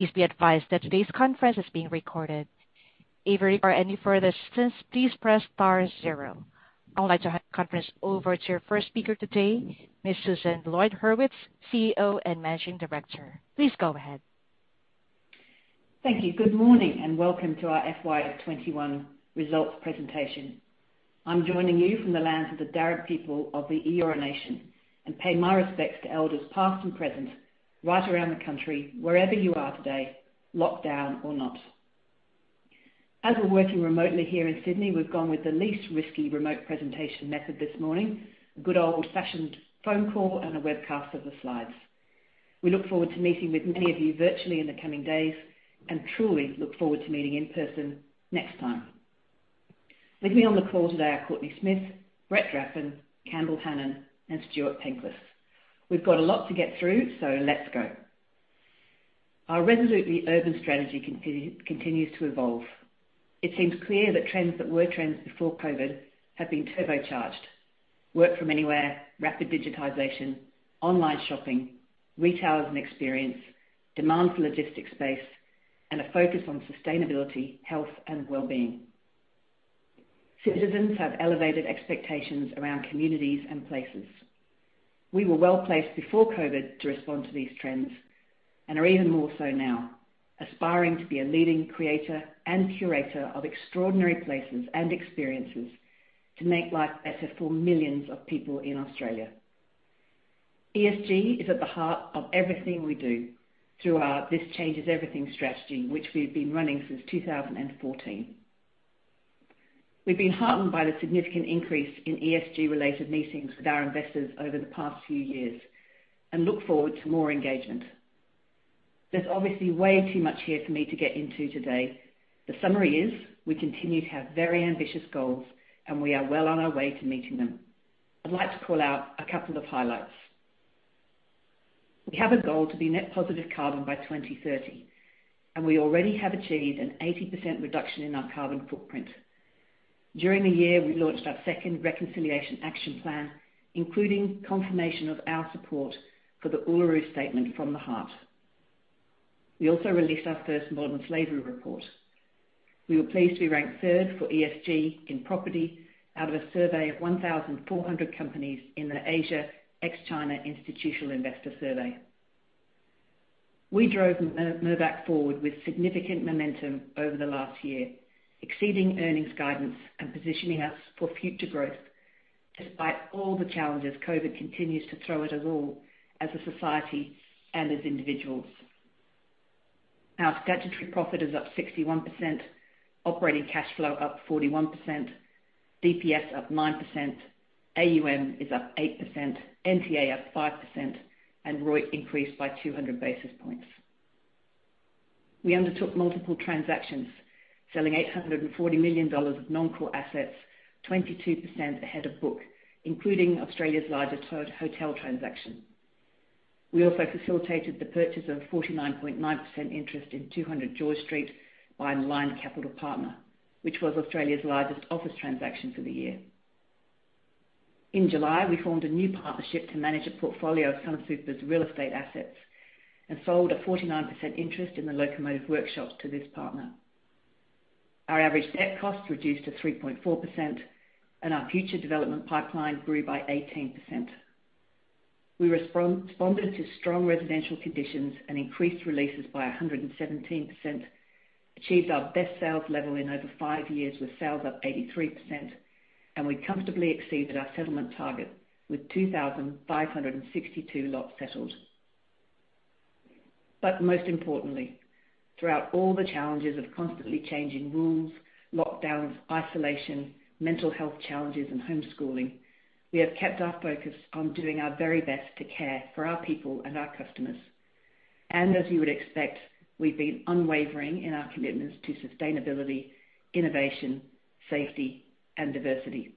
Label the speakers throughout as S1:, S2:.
S1: I would like to hand the conference over to your first speaker today, Ms. Susan Lloyd-Hurwitz, CEO and Managing Director. Please go ahead.
S2: Thank you and welcome to our FY 2021 results presentation. I'm joining you from the lands of the Darug people of the Eora Nation and pay my respects to elders past and present right around the country, wherever you are today, lockdown or not. As we're working remotely here in Sydney, we've gone with the least risky remote presentation method this morning, a good old-fashioned phone call and a webcast of the slides. We look forward to meeting with many of you virtually in the coming days and truly look forward to meeting in person next time. With me on the call today are Courtenay Smith, Brett Draffen, Campbell Hanan, and Stuart Penklis. We've got a lot to get through so let's go. Our resolutely urban strategy continues to evolve. It seems clear that trends that were trends before COVID have been turbocharged: work from anywhere, rapid digitization, online shopping, retail as an experience, demand for logistics space, and a focus on sustainability, health, and wellbeing. Citizens have elevated expectations around communities and places. We were well-placed before COVID to respond to these trends, and are even more so now, aspiring to be a leading creator and curator of extraordinary places and experiences to make life better for millions of people in Australia. ESG is at the heart of everything we do through our This Changes Everything strategy, which we've been running since 2014. We've been heartened by the significant increase in ESG-related meetings with our investors over the past few years and look forward to more engagement. There's obviously way too much here for me to get into today. The summary is we continue to have very ambitious goals and we are well on our way to meeting them. I'd like to call out a couple of highlights. We have a goal to be net positive carbon by 2030 and we already have achieved an 80% reduction in our carbon footprint. During the year, we launched our second reconciliation action plan, including confirmation of our support for the Uluru Statement from the Heart. We also released our first modern slavery report. We were pleased to be ranked third for ESG in property out of a survey of 1,400 companies in the Asia ex-China Institutional Investor Survey. We drove Mirvac forward with significant momentum over the last year, exceeding earnings guidance and positioning us for future growth, despite all the challenges COVID continues to throw at us all as a society and as individuals. Our statutory profit is up 61%, operating cash flow up 41%, DPS up 9%, AUM is up 8%, NTA up 5%, and ROE increased by 200 basis points. We undertook multiple transactions, selling 840 million dollars of non-core assets, 22% ahead of book, including Australia's largest hotel transaction. We also facilitated the purchase of 49.9% interest in 200 George Street by inline capital partner, which was Australia's largest office transaction for the year. In July, we formed a new partnership to manage a portfolio of Sunsuper's real estate assets and sold a 49% interest in the Locomotive Workshops to this partner. Our average debt cost reduced to 3.4%, and our future development pipeline grew by 18%. We responded to strong residential conditions and increased releases by 117%, achieved our best sales level in over five years with sales up 83%, and we comfortably exceeded our settlement target with 2,562 lots settled. Most importantly, throughout all the challenges of constantly changing rules, lockdowns, isolation, mental health challenges, and homeschooling, we have kept our focus on doing our very best to care for our people and our customers. As you would expect, we've been unwavering in our commitments to sustainability, innovation, safety, and diversity.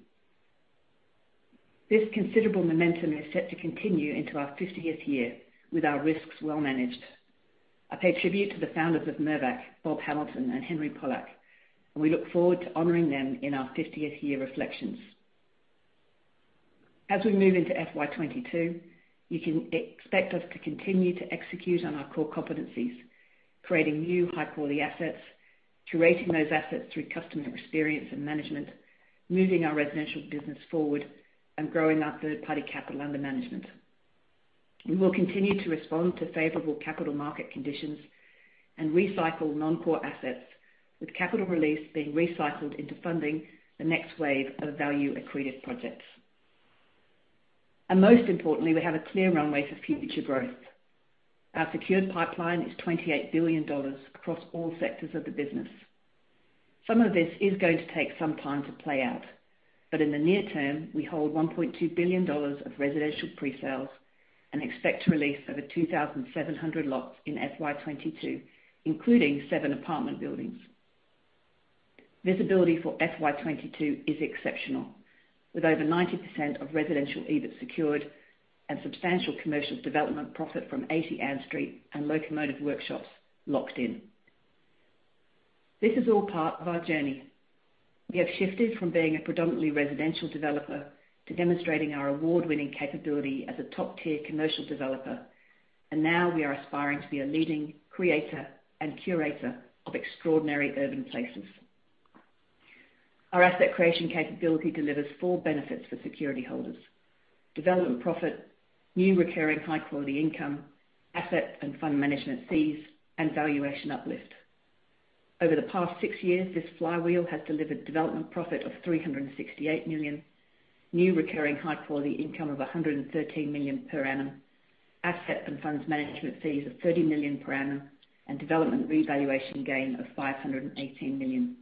S2: This considerable momentum is set to continue into our 50th year with our risks well managed. I pay tribute to the founders of Mirvac, Bob Hamilton and Henry Pollack, and we look forward to honoring them in our 50th year reflections. As we move into FY 2022, you can expect us to continue to execute on our core competencies, creating new high-quality assets, curating those assets through customer experience and management, moving our residential business forward, and growing our third-party capital under management. We will continue to respond to favorable capital market conditions and recycle non-core assets, with capital release being recycled into funding the next wave of value-accretive projects. Most importantly, we have a clear runway for future growth. Our secured pipeline is 28 billion dollars across all sectors of the business. Some of this is going to take some time to play out, but in the near term, we hold 1.2 billion dollars of residential pre-sales and expect to release over 2,700 lots in FY 2022, including seven apartment buildings. Visibility for FY 2022 is exceptional, with over 90% of residential EBIT secured and substantial commercial development profit from 80 Ann Street and Locomotive Workshops locked in. This is all part of our journey. We have shifted from being a predominantly residential developer to demonstrating our award-winning capability as a top-tier commercial developer. Now we are aspiring to be a leading creator and curator of extraordinary urban places. Our asset creation capability delivers four benefits for security holders: development profit, new recurring high-quality income, asset and fund management fees, and valuation uplift. Over the past six years, this flywheel has delivered development profit of 368 million, new recurring high-quality income of 113 million per annum, asset and funds management fees of 30 million per annum, and development revaluation gain of 518 million.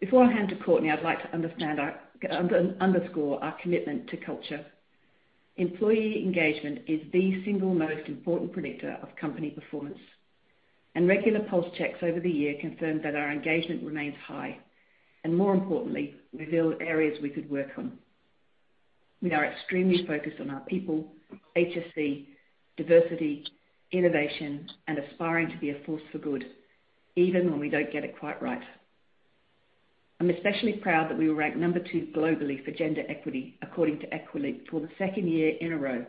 S2: Before I hand to Courtenay, I'd like to underscore our commitment to culture. Employee engagement is the single most important predictor of company performance. Regular pulse checks over the year confirm that our engagement remains high, and more importantly, reveal areas we could work on. We are extremely focused on our people, HSC, diversity, innovation, and aspiring to be a force for good even when we don't get it quite right. I'm especially proud that we were ranked number two globally for gender equity, according to Equileap, for the second year in a row,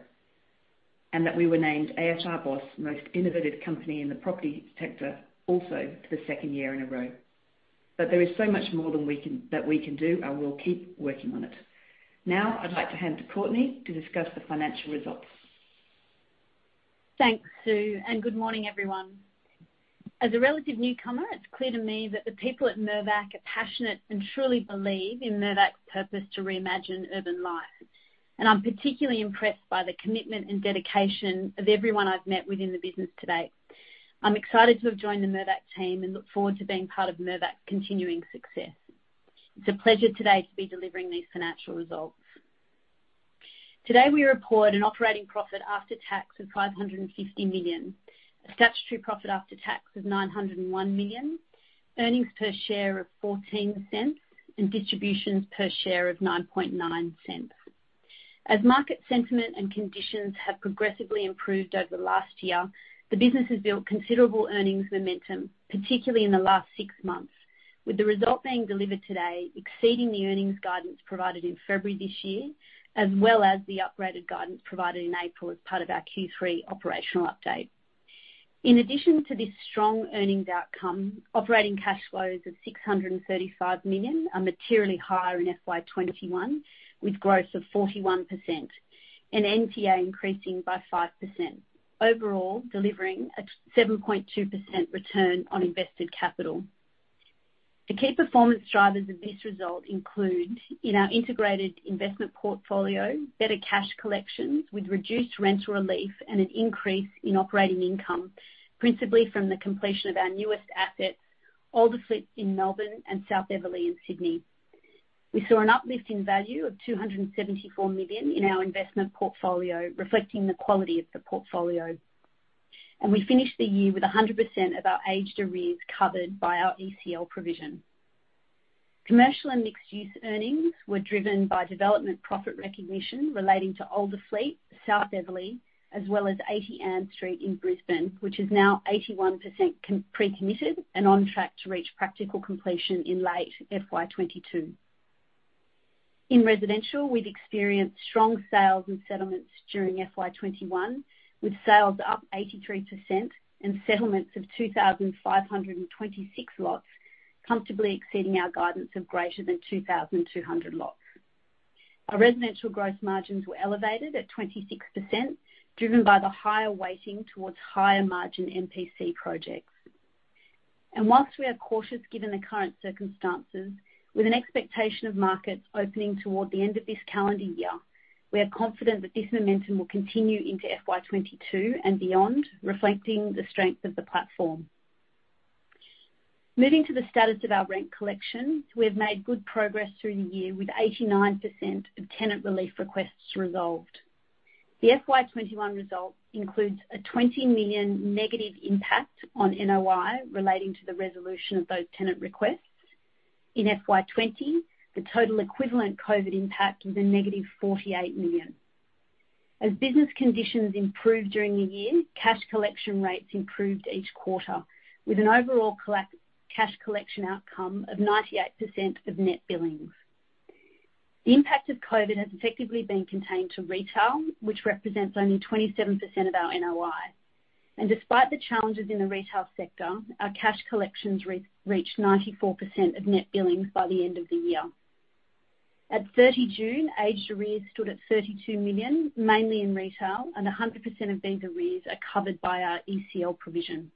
S2: and that we were named AFR BOSS Most Innovative Companies in the property sector also for the second year in a row. There is so much more that we can do, and we'll keep working on it. Now, I'd like to hand to Courtenay to discuss the financial results.
S3: Thanks, Sue. Good morning, everyone. As a relative newcomer, it's clear to me that the people at Mirvac are passionate and truly believe in Mirvac's purpose to reimagine urban life. I'm particularly impressed by the commitment and dedication of everyone I've met within the business to date. I'm excited to have joined the Mirvac team and look forward to being part of Mirvac's continuing success. It's a pleasure today to be delivering these financial results. Today, we report an operating profit after tax of 550 million, a statutory profit after tax of 901 million, earnings per share of 0.14, and distributions per share of 0.099. As market sentiment and conditions have progressively improved over the last year, the business has built considerable earnings momentum, particularly in the last six months, with the result being delivered today exceeding the earnings guidance provided in February this year, as well as the upgraded guidance provided in April as part of our Q3 operational update. In addition to this strong earnings outcome, operating cash flows of 635 million are materially higher in FY 2021, with growth of 41%, and NTA increasing by 5%, overall delivering a 7.2% return on invested capital. The key performance drivers of this result include in our integrated investment portfolio, better cash collections with reduced rental relief, and an increase in operating income, principally from the completion of our newest asset, Olderfleet in Melbourne and South Eveleigh in Sydney. We saw an uplift in value of 274 million in our investment portfolio, reflecting the quality of the portfolio. We finished the year with 100% of our aged arrears covered by our ECL provision. Commercial and mixed-use earnings were driven by development profit recognition relating to Olderfleet, South Eveleigh, as well as 80 Ann Street in Brisbane, which is now 81% pre-committed and on track to reach practical completion in late FY 2022. In residential, we've experienced strong sales and settlements during FY 2021, with sales up 83% and settlements of 2,526 lots, comfortably exceeding our guidance of greater than 2,200 lots. Our residential growth margins were elevated at 26%, driven by the higher weighting towards higher-margin MPC projects. Whilst we are cautious given the current circumstances, with an expectation of markets opening toward the end of this calendar year, we are confident that this momentum will continue into FY 2022 and beyond, reflecting the strength of the platform. Moving to the status of our rent collection, we have made good progress through the year with 89% of tenant relief requests resolved. The FY 2021 result includes an 20 million negative impact on NOI relating to the resolution of those tenant requests. In FY 2020, the total equivalent COVID impact was a negative 48 million. As business conditions improved during the year, cash collection rates improved each quarter, with an overall cash collection outcome of 98% of net billings. The impact of COVID has effectively been contained to retail, which represents only 27% of our NOI. Despite the challenges in the retail sector, our cash collections reached 94% of net billings by the end of the year. At 30 June, aged arrears stood at 32 million, mainly in retail, and 100% of these arrears are covered by our ECL provision.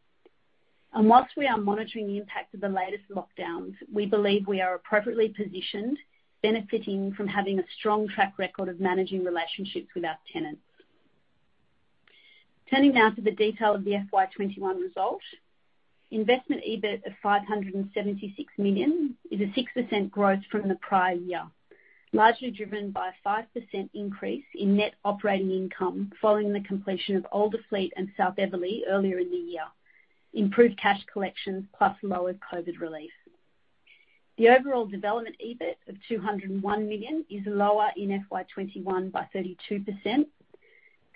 S3: While we are monitoring the impact of the latest lockdowns, we believe we are appropriately positioned, benefiting from having a strong track record of managing relationships with our tenants. Turning now to the detail of the FY 2021 result. Investment EBIT of 576 million is a 6% growth from the prior year, largely driven by a 5% increase in net operating income following the completion of Olderfleet and South Eveleigh earlier in the year, improved cash collections, plus lower COVID relief. The overall development EBIT of 201 million is lower in FY 2021 by 32%.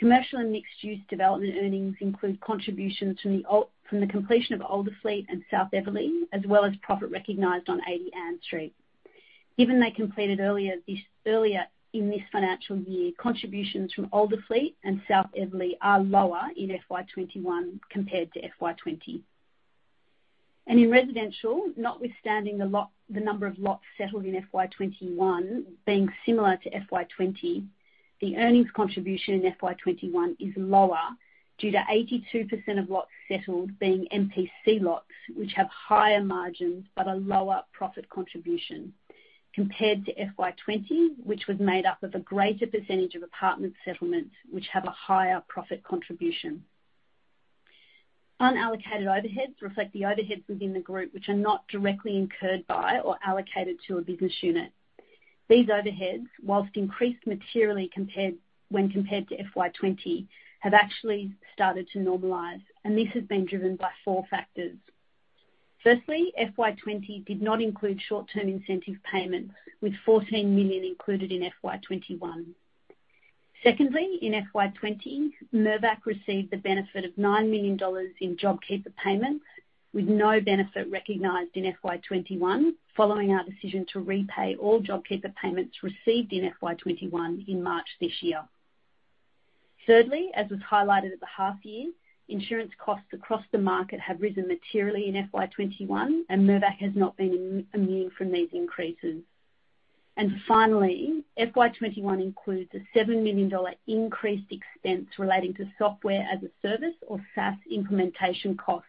S3: Commercial and mixed-use development earnings include contributions from the completion of Olderfleet and South Eveleigh, as well as profit recognized on 80 Ann Street. Given they completed earlier in this financial year, contributions from Olderfleet and South Eveleigh are lower in FY 2021 compared to FY 2020. In residential, notwithstanding the number of lots settled in FY 2021 being similar to FY 2020, the earnings contribution in FY 2021 is lower due to 82% of lots settled being MPC lots, which have higher margins but a lower profit contribution compared to FY 2020, which was made up of a greater percentage of apartment settlements, which have a higher profit contribution. Unallocated overheads reflect the overheads within the group, which are not directly incurred by or allocated to a business unit. These overheads, whilst increased materially when compared to FY 2020, have actually started to normalize, and this has been driven by four factors. Firstly, FY 2020 did not include short-term incentive payments, with 14 million included in FY 2021. Secondly, in FY 2020, Mirvac received the benefit of 9 million dollars in JobKeeper payments, with no benefit recognized in FY 2021, following our decision to repay all JobKeeper payments received in FY 2021 in March this year. Thirdly, as was highlighted at the half year, insurance costs across the market have risen materially in FY 2021, and Mirvac has not been immune from these increases. Finally, FY 2021 includes a 7 million dollar increased expense relating to software as a service or SaaS implementation costs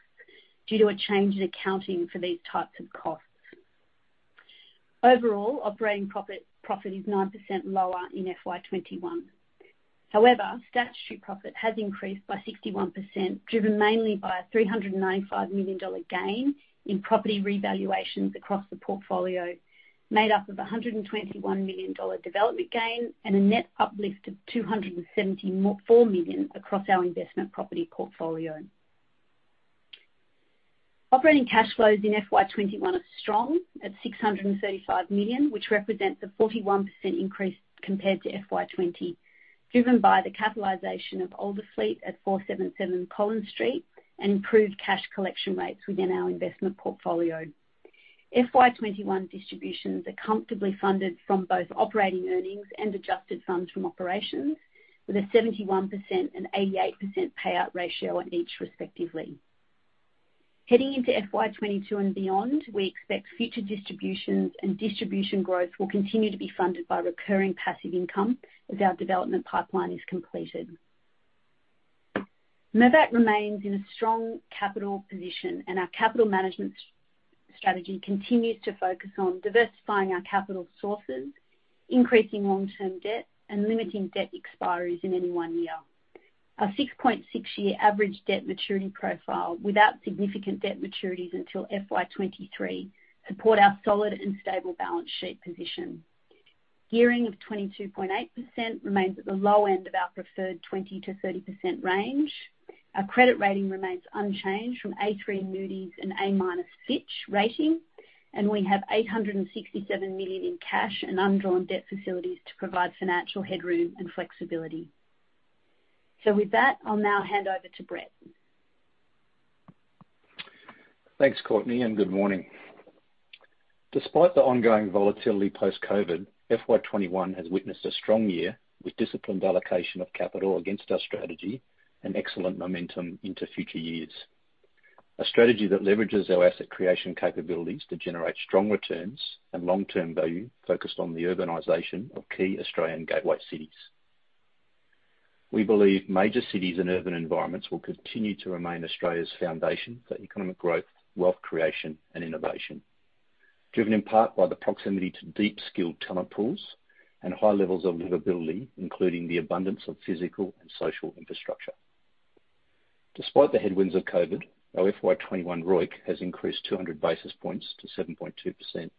S3: due to a change in accounting for these types of costs. Overall, operating profit is 9% lower in FY 2021. However, statutory profit has increased by 61%, driven mainly by an 395 million dollar gain in property revaluations across the portfolio, made up of an 121 million dollar development gain and a net uplift of 274 million across our investment property portfolio. Operating cash flows in FY 2021 are strong at 635 million, which represents a 41% increase compared to FY 2020, driven by the capitalization of Olderfleet at 477 Collins Street, and improved cash collection rates within our investment portfolio. FY 2021 distributions are comfortably funded from both operating earnings and adjusted funds from operations, with a 71% and 88% payout ratio on each respectively. Heading into FY 2022 and beyond, we expect future distributions and distribution growth will continue to be funded by recurring passive income as our development pipeline is completed. Mirvac remains in a strong capital position, and our capital management strategy continues to focus on diversifying our capital sources, increasing long-term debt and limiting debt expiries in any one year. Our 6.6 year average debt maturity profile, without significant debt maturities until FY 2023, support our solid and stable balance sheet position. Gearing of 22.8% remains at the low end of our preferred 20% to 30% range. Our credit rating remains unchanged from A3 Moody's and A- Fitch rating, and we have 867 million in cash and undrawn debt facilities to provide financial headroom and flexibility. With that, I'll now hand over to Brett.
S4: Thanks, Courtenay, and good morning. Despite the ongoing volatility post-COVID, FY 2021 has witnessed a strong year with disciplined allocation of capital against our strategy and excellent momentum into future years. A strategy that leverages our asset creation capabilities to generate strong returns and long-term value focused on the urbanization of key Australian gateway cities. We believe major cities and urban environments will continue to remain Australia's foundation for economic growth, wealth creation, and innovation, driven in part by the proximity to deep, skilled talent pools and high levels of livability, including the abundance of physical and social infrastructure. Despite the headwinds of COVID, our FY 2021 ROIC has increased 200 basis points to 7.2%,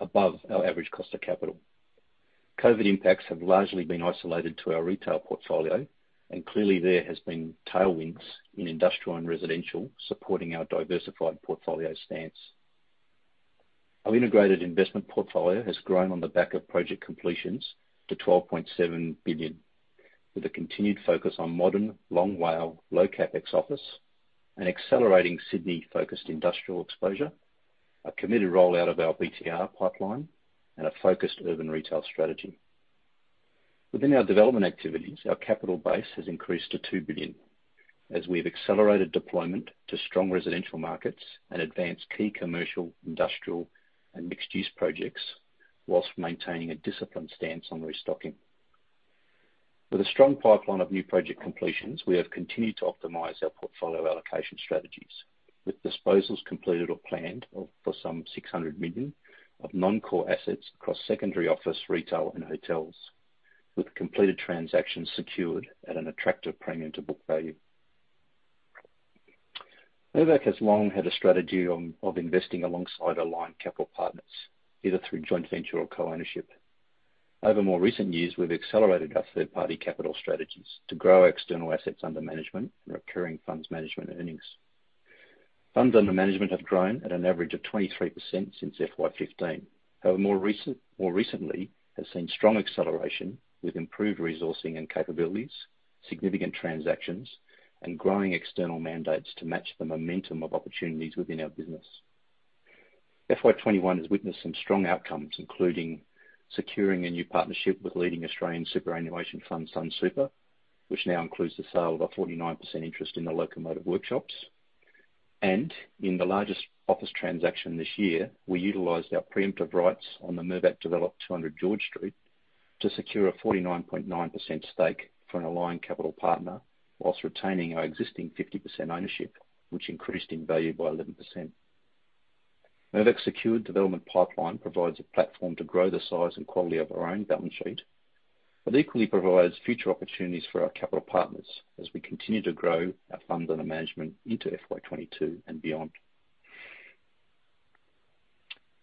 S4: above our average cost of capital. COVID impacts have largely been isolated to our retail portfolio, clearly there has been tailwinds in industrial and residential supporting our diversified portfolio stance. Our integrated investment portfolio has grown on the back of project completions to 12.7 billion, with a continued focus on modern, long WALE, low CapEx office and accelerating Sydney-focused industrial exposure, a committed rollout of our BTR pipeline, and a focused urban retail strategy. Within our development activities, our capital base has increased to 2 billion, as we've accelerated deployment to strong residential markets and advanced key commercial, industrial, and mixed-use projects while maintaining a disciplined stance on restocking. With a strong pipeline of new project completions, we have continued to optimize our portfolio allocation strategies with disposals completed or planned for some 600 million of non-core assets across secondary office, retail and hotels, with completed transactions secured at an attractive premium to book value. Mirvac has long had a strategy of investing alongside aligned capital partners, either through joint venture or co-ownership. Over more recent years, we've accelerated our third-party capital strategies to grow external assets under management and recurring funds management earnings. Funds under management have grown at an average of 23% since FY 2015. However, more recently, has seen strong acceleration with improved resourcing and capabilities, significant transactions, and growing external mandates to match the momentum of opportunities within our business. FY 2021 has witnessed some strong outcomes, including securing a new partnership with leading Australian superannuation fund, Sunsuper, which now includes the sale of a 49% interest in the Locomotive Workshops. In the largest office transaction this year, we utilized our preemptive rights on the Mirvac-developed 200 George Street to secure a 49.9% stake for an aligned capital partner, whilst retaining our existing 50% ownership, which increased in value by 11%. Mirvac's secured development pipeline provides a platform to grow the size and quality of our own balance sheet, but equally provides future opportunities for our capital partners, as we continue to grow our funds under management into FY 2022 and beyond.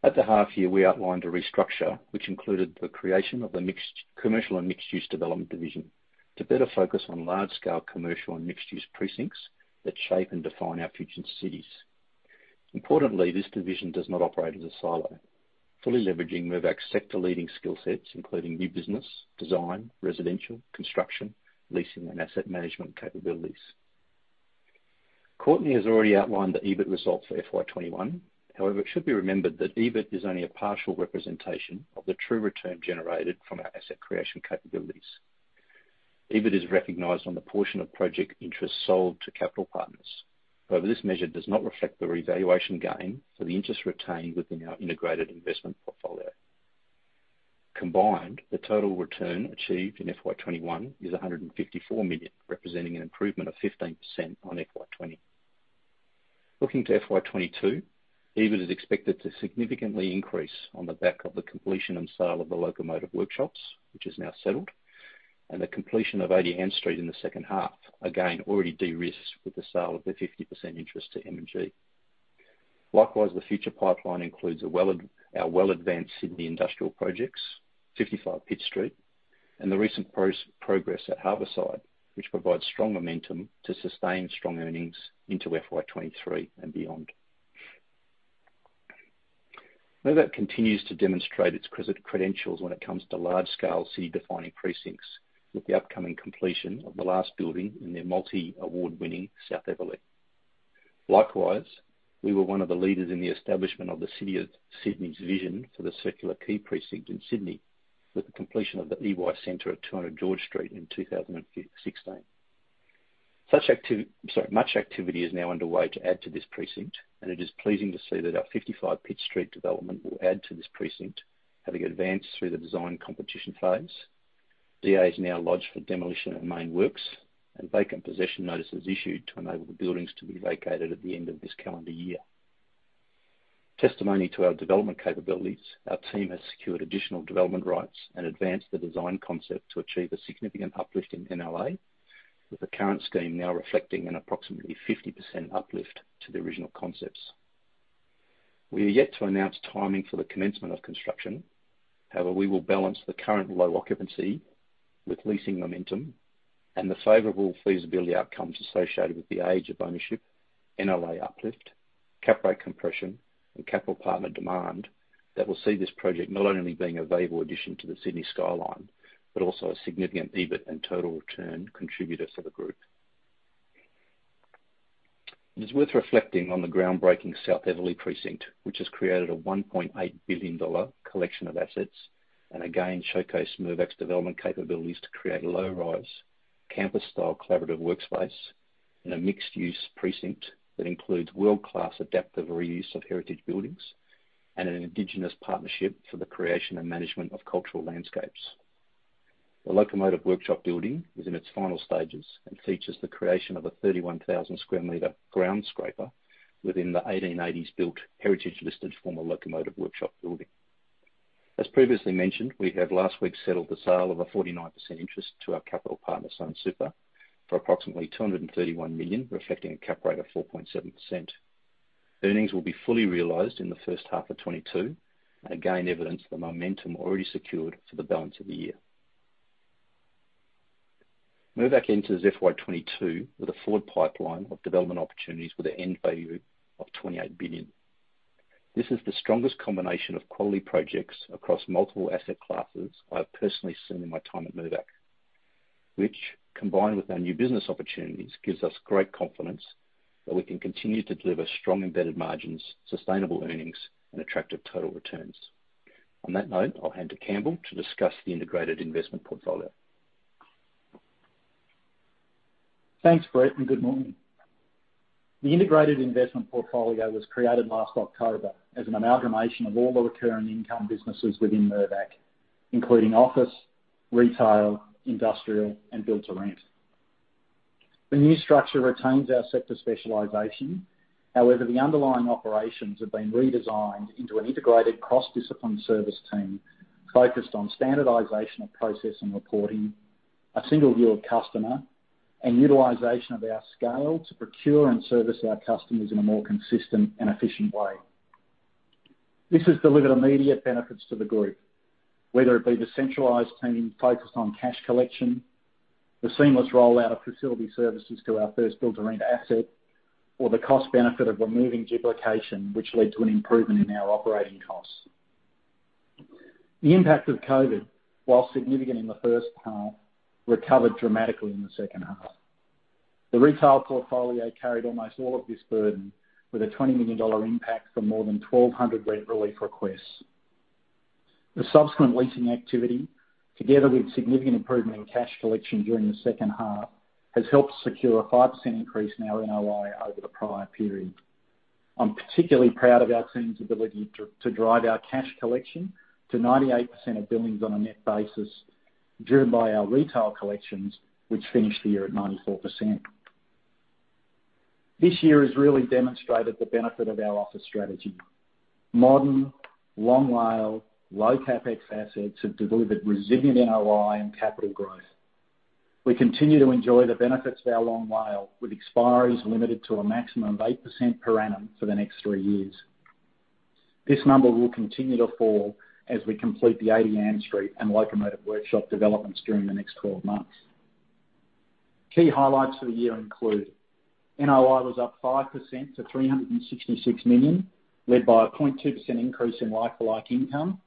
S4: At the half year, we outlined a restructure which included the creation of the commercial and mixed-use development division to better focus on large-scale commercial and mixed-use precincts that shape and define our future cities. Importantly, this division does not operate as a silo, fully leveraging Mirvac's sector leading skill sets, including new business, design, residential, construction, leasing, and asset management capabilities. Courtenay has already outlined the EBIT results for FY 2021. It should be remembered that EBIT is only a partial representation of the true return generated from our asset creation capabilities. EBIT is recognized on the portion of project interest sold to capital partners. However, this measure does not reflect the revaluation gain for the interest retained within our integrated investment portfolio. Combined, the total return achieved in FY 2021 is 154 million, representing an improvement of 15% on FY 2020. Looking to FY 2022, EBIT is expected to significantly increase on the back of the completion and sale of the Locomotive Workshop, which is now settled, and the completion of 80 Ann Street in the second half, again, already de-risked with the sale of the 50% interest to M&G. Likewise, the future pipeline includes our well-advanced Sydney industrial projects, 55 Pitt Street, and the recent progress at Harbourside, which provides strong momentum to sustain strong earnings into FY 2023 and beyond. Mirvac continues to demonstrate its credit credentials when it comes to large-scale city-defining precincts with the upcoming completion of the last building in their multi-award-winning South Eveleigh. Likewise, we were one of the leaders in the establishment of the City of Sydney's vision for the Circular Quay precinct in Sydney with the completion of the EY Center at 200 George Street in 2016. Much activity is now underway to add to this precinct, and it is pleasing to see that our 55 Pitt Street development will add to this precinct, having advanced through the design competition phase. DA is now lodged for demolition and main works, and vacant possession notice is issued to enable the buildings to be vacated at the end of this calendar year. Testimony to our development capabilities, our team has secured additional development rights and advanced the design concept to achieve a significant uplift in NLA, with the current scheme now reflecting an approximately 50% uplift to the original concepts. We are yet to announce timing for the commencement of construction. However, we will balance the current low occupancy with leasing momentum and the favorable feasibility outcomes associated with the age of ownership, NLA uplift, cap rate compression, and capital partner demand that will see this project not only being a valuable addition to the Sydney skyline, but also a significant EBIT and total return contributor for the group. It is worth reflecting on the groundbreaking South Eveleigh precinct, which has created a 1.8 billion dollar collection of assets, and again, showcased Mirvac's development capabilities to create a low-rise, campus-style collaborative workspace in a mixed-use precinct that includes world-class adaptive reuse of heritage buildings, and an indigenous partnership for the creation and management of cultural landscapes. The Locomotive Workshop building is in its final stages and features the creation of a 31,000 sq m ground scraper within the 1880s built heritage-listed former Locomotive Workshop building. As previously mentioned, we have last week settled the sale of a 49% interest to our capital partner, Sunsuper, for approximately 231 million, reflecting a cap rate of 4.7%. Earnings will be fully realized in the first half of 2022, again, evidence of the momentum already secured for the balance of the year. Mirvac enters FY 2022 with a full pipeline of development opportunities with an end value of 28 billion. This is the strongest combination of quality projects across multiple asset classes I have personally seen in my time at Mirvac, which combined with our new business opportunities, gives us great confidence that we can continue to deliver strong embedded margins, sustainable earnings, and attractive total returns. On that note, I'll hand to Campbell to discuss the integrated investment portfolio.
S5: Thanks, Brett, and good morning. The integrated investment portfolio was created last October as an amalgamation of all the recurring income businesses within Mirvac, including office, retail, industrial, and build-to-rent. The new structure retains our sector specialization. However, the underlying operations have been redesigned into an integrated cross-discipline service team focused on standardization of process and reporting, a single view of customer and utilization of our scale to procure and service our customers in a more consistent and efficient way. This has delivered immediate benefits to the group, whether it be the centralized team focused on cash collection, the seamless rollout of facility services to our first build-to-rent asset, or the cost benefit of removing duplication, which led to an improvement in our operating costs. The impact of COVID, whilst significant in the first half, recovered dramatically in the second half. The retail portfolio carried almost all of this burden with a 20 million dollar impact from more than 1,200 rent relief requests. The subsequent leasing activity, together with significant improvement in cash collection during the second half, has helped secure a 5% increase in our NOI over the prior period. I'm particularly proud of our team's ability to drive our cash collection to 98% of billings on a net basis, driven by our retail collections, which finished the year at 94%. This year has really demonstrated the benefit of our office strategy. Modern, long WALE, low CapEx assets have delivered resilient NOI and capital growth. We continue to enjoy the benefits of our long WALE with expiries limited to a maximum of 8% per annum for the next three years. This number will continue to fall as we complete the 80 Ann Street and Locomotive Workshop developments during the next 12 months. Key highlights for the year include, NOI was up 5% to 366 million, led by a 20% increase in like-for-like income,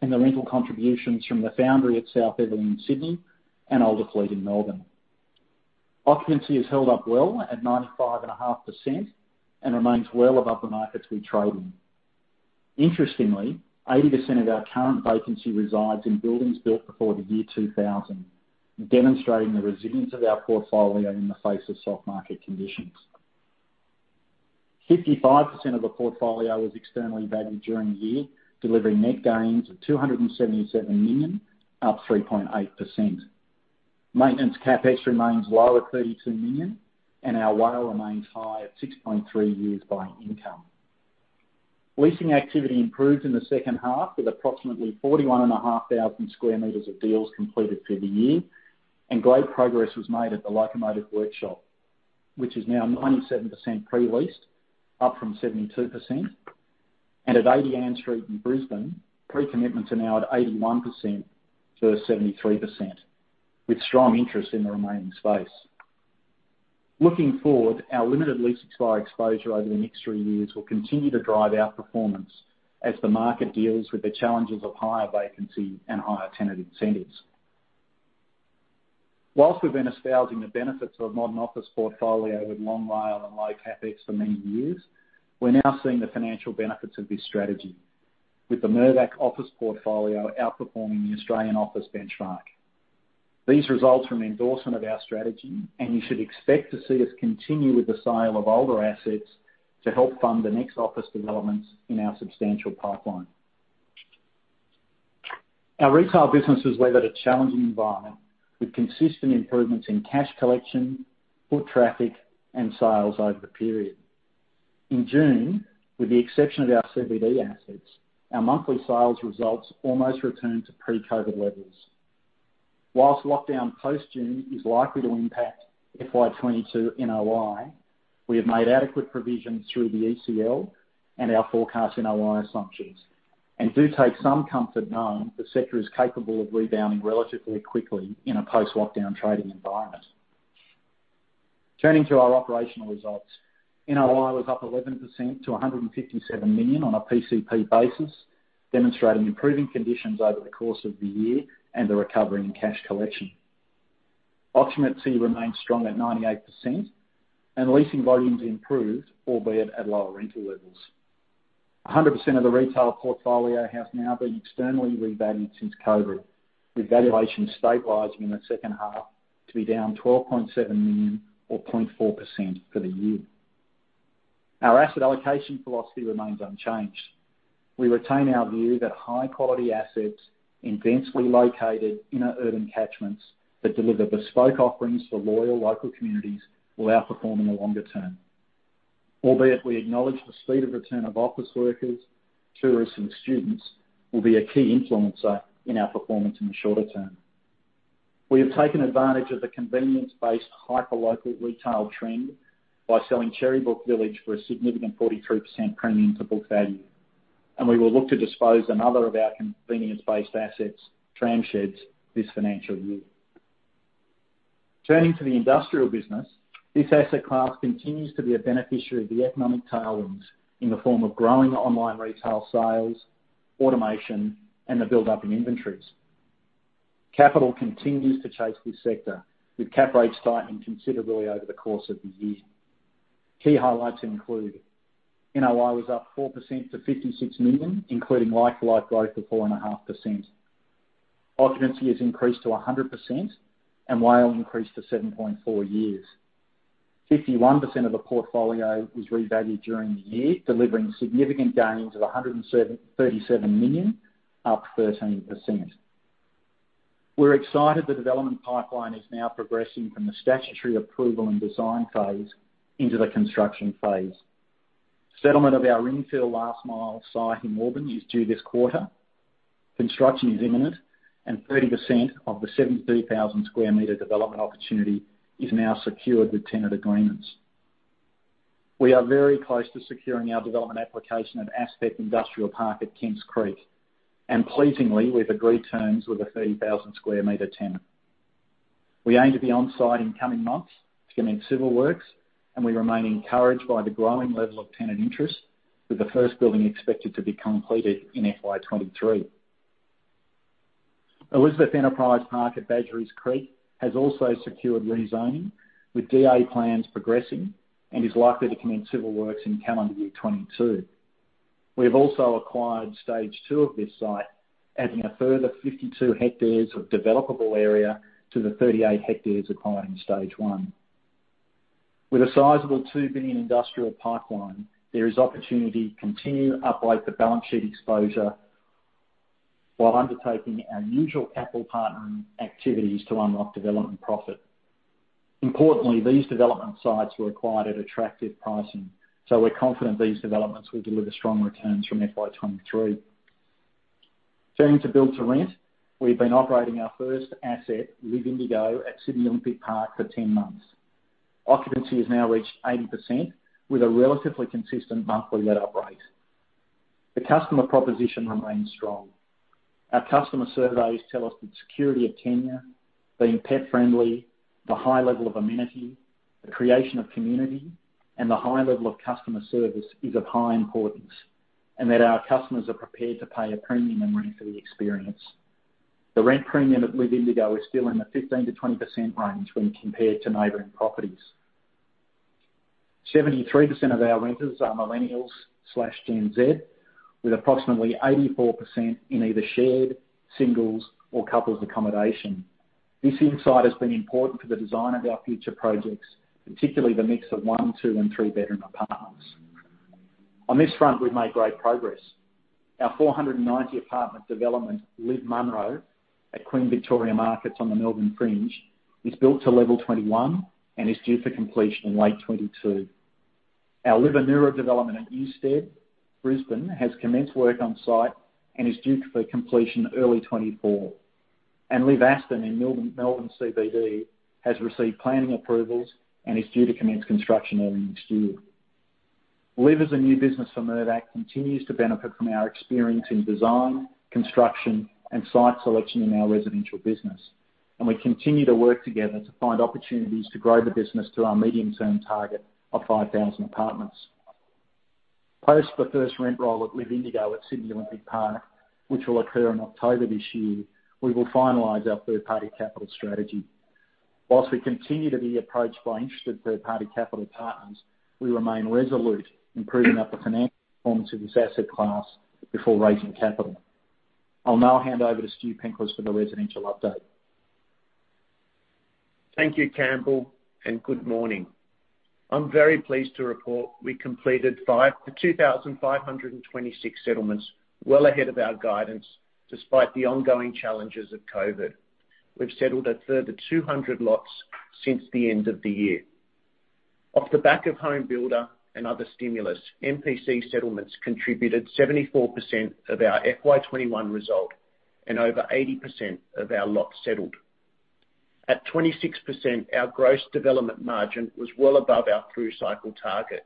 S5: and the rental contributions from The Foundry at South Eveleigh in Sydney and Olderfleet in Melbourne. Occupancy has held up well at 95.5% and remains well above the markets we trade in. Interestingly, 80% of our current vacancy resides in buildings built before the year 2000, and demonstrating the resilience of our portfolio in the face of soft market conditions. 55% of the portfolio was externally valued during the year, delivering net gains of 277 million, up 3.8%. Maintenance CapEx remains low at 32 million, and our WALE remains high at 6.3 years by income. Leasing activity improved in the second half with approximately 41,500 sq m of deals completed for the year, and great progress was made at Locomotive Workshop, which is now 97% pre-leased, up from 72%. At 80 Ann Street in Brisbane, pre-commitments are now at 81% to 73%, with strong interest in the remaining space. Looking forward, our limited lease expire exposure over the next three years will continue to drive our performance as the market deals with the challenges of higher vacancy and higher tenant incentives. Whilst we've been espousing the benefits of a modern office portfolio with long WALE and low CapEx for many years, we're now seeing the financial benefits of this strategy, with the Mirvac office portfolio outperforming the Australian office benchmark. These results are an endorsement of our strategy, and you should expect to see us continue with the sale of older assets to help fund the next office developments in our substantial pipeline. Our retail business has weathered a challenging environment with consistent improvements in cash collection, foot traffic, and sales over the period. In June, with the exception of our CBD assets, our monthly sales results almost returned to pre-COVID levels. Whilst lockdown post-June is likely to impact FY 2022 NOI, we have made adequate provisions through the ECL and our forecast NOI assumptions, and do take some comfort knowing the sector is capable of rebounding relatively quickly in a post-lockdown trading environment. Turning to our operational results, NOI was up 11% to 157 million on a PCP basis, demonstrating improving conditions over the course of the year, and the recovery in cash collection. Occupancy remains strong at 98%, and leasing volumes improved, albeit at lower rental levels. A 100% of the retail portfolio has now been externally revalued since COVID, with valuation stabilizing in the second half to be down 12.7 million or 0.4% for the year. Our asset allocation philosophy remains unchanged. We retain our view that high-quality assets in densely located inner urban catchments that deliver bespoke offerings for loyal local communities will outperform in the longer term. Albeit, we acknowledge the speed of return of office workers, tourists, and students will be a key influencer in our performance in the shorter term. We have taken advantage of the convenience-based, hyperlocal retail trend by selling Cherrybrook Village for a significant 43% premium to book value, and we will look to dispose another of our convenience-based assets, Tramsheds, this financial year. Turning to the industrial business, this asset class continues to be a beneficiary of the economic tailwinds in the form of growing online retail sales, automation, and the buildup in inventories. Capital continues to chase this sector, with cap rates tightening considerably over the course of the year. Key highlights include, NOI was up 4% to 56 million, including like-to-like growth of 4.5%. Occupancy has increased to 100%, and WALE increased to 7.4 years, 51% of the portfolio was revalued during the year, delivering significant gains of 137 million, up 13%. We're excited the development pipeline is now progressing from the statutory approval and design phase into the construction phase. Settlement of our infill last mile site in Melbourne is due this quarter. Construction is imminent and 30% of the 72,000 sq m development opportunity is now secured with tenant agreements. We are very close to securing our development application at Aspect Industrial Estate at Kemps Creek. Pleasingly, we've agreed terms with a 30,000 sq m tenant. We aim to be on site in coming months to commence civil works, and we remain encouraged by the growing level of tenant interest, with the first building expected to be completed in FY 2023. Elizabeth Enterprise Precinct at Badgerys Creek has also secured rezoning, with DA plans progressing, and is likely to commence civil works in calendar year 2022. We have also acquired stage two of this site, adding a further 52 ha of developable area to the 38 ha acquired in stage one. With a sizable 2 billion industrial pipeline, there is opportunity to continue to uplift the balance sheet exposure, while undertaking our usual capital partnering activities to unlock development profit. Importantly, these development sites were acquired at attractive pricing. We're confident these developments will deliver strong returns from FY 2023. Turning to build to rent, we've been operating our first asset, LIV Indigo, at Sydney Olympic Park for 10 months. Occupancy has now reached 80%, with a relatively consistent monthly let up rate. The customer proposition remains strong. Our customer surveys tell us that security of tenure, being pet friendly, the high level of amenity, the creation of community, and the high level of customer service is of high importance, and that our customers are prepared to pay a premium in rent for the experience. The rent premium at LIV Indigo is still in the 15% to 20% range when compared to neighboring properties. 73% of our renters are millennials/Gen Z, with approximately 84% in either shared, singles, or couples accommodation. This insight has been important to the design of our future projects, particularly the mix of one, two, and three-bedroom apartments. On this front, we've made great progress. Our 490-apartment development, LIV Munro, at Queen Victoria Market on the Melbourne fringe, is built to level 21 and is due for completion in late 2022. Our LIV Anura development at Newstead, Brisbane, has commenced work on site and is due for completion early 2024. LIV Aston in Melbourne CBD has received planning approvals and is due to commence construction early next year. LIV as a new business for Mirvac continues to benefit from our experience in design, construction, and site selection in our residential business, and we continue to work together to find opportunities to grow the business to our medium-term target of 5,000 apartments. Post the first rent roll at LIV Indigo at Sydney Olympic Park, which will occur in October this year, we will finalize our third-party capital strategy. We continue to be approached by interested third-party capital partners, we remain resolute in proving out the financial performance of this asset class before raising capital. I'll now hand over to Stu Penklis for the residential update.
S6: Thank you, Campbell, and good morning. I'm very pleased to report, we've completed 5,226 settlements well ahead of our guidance, despite the ongoing challenges of COVID. We've settled a further 200 lots since the end of the year. Off the back of HomeBuilder and other stimulus, MPC settlements contributed 74% of our FY 2021 result and over 80% of our lots settled. At 26%, our gross development margin was well above our through cycle target.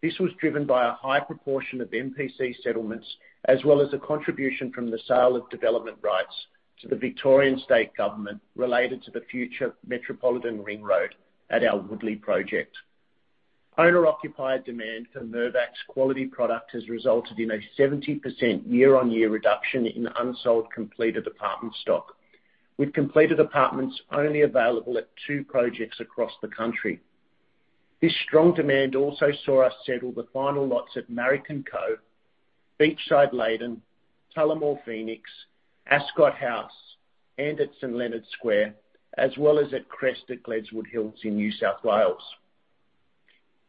S6: This was driven by a high proportion of MPC settlements as well as a contribution from the sale of development rights to the Victorian State Government related to the future metropolitan ring road at our Woodlea project. Owner-occupied demand for Mirvac's quality product has resulted in a 70% year-over-year reduction in unsold completed apartment stock, with completed apartments only available at two projects across the country. This strong demand also saw us settle the final lots at Marrick & Co, Beachside Leighton, Tullamore Phoenix, Ascot House, and at St. Leonards Square, as well as at Crest at Gledswood Hills in New South Wales.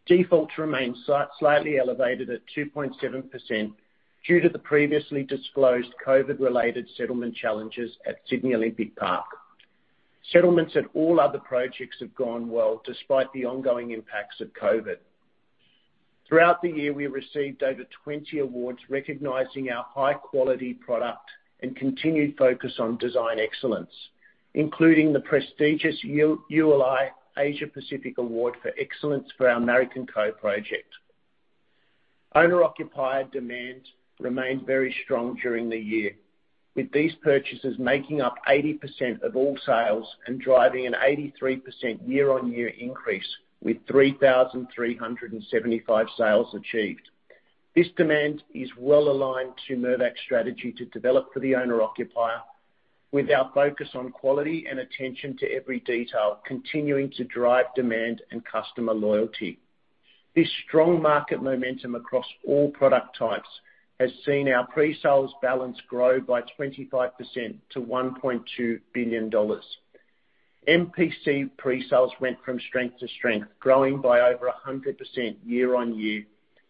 S6: Defaults remain slightly elevated at 2.7% due to the previously disclosed COVID-related settlement challenges at Sydney Olympic Park. Settlements at all other projects have gone well despite the ongoing impacts of COVID. Throughout the year, we received over 20 awards recognizing our high-quality product and continued focus on design excellence, including the prestigious ULI Asia Pacific Awards for Excellence for our Marrick & Co project. Owner-occupied demand remained very strong during the year, with these purchases making up 80% of all sales and driving an 83% year-on-year increase with 3,375 sales achieved. This demand is well aligned to Mirvac's strategy to develop for the owner-occupier, with our focus on quality and attention to every detail continuing to drive demand and customer loyalty. This strong market momentum across all product types has seen our pre-sales balance grow by 25% to 1.2 billion dollars. MPC pre-sales went from strength to strength, growing by over 100% year-on-year,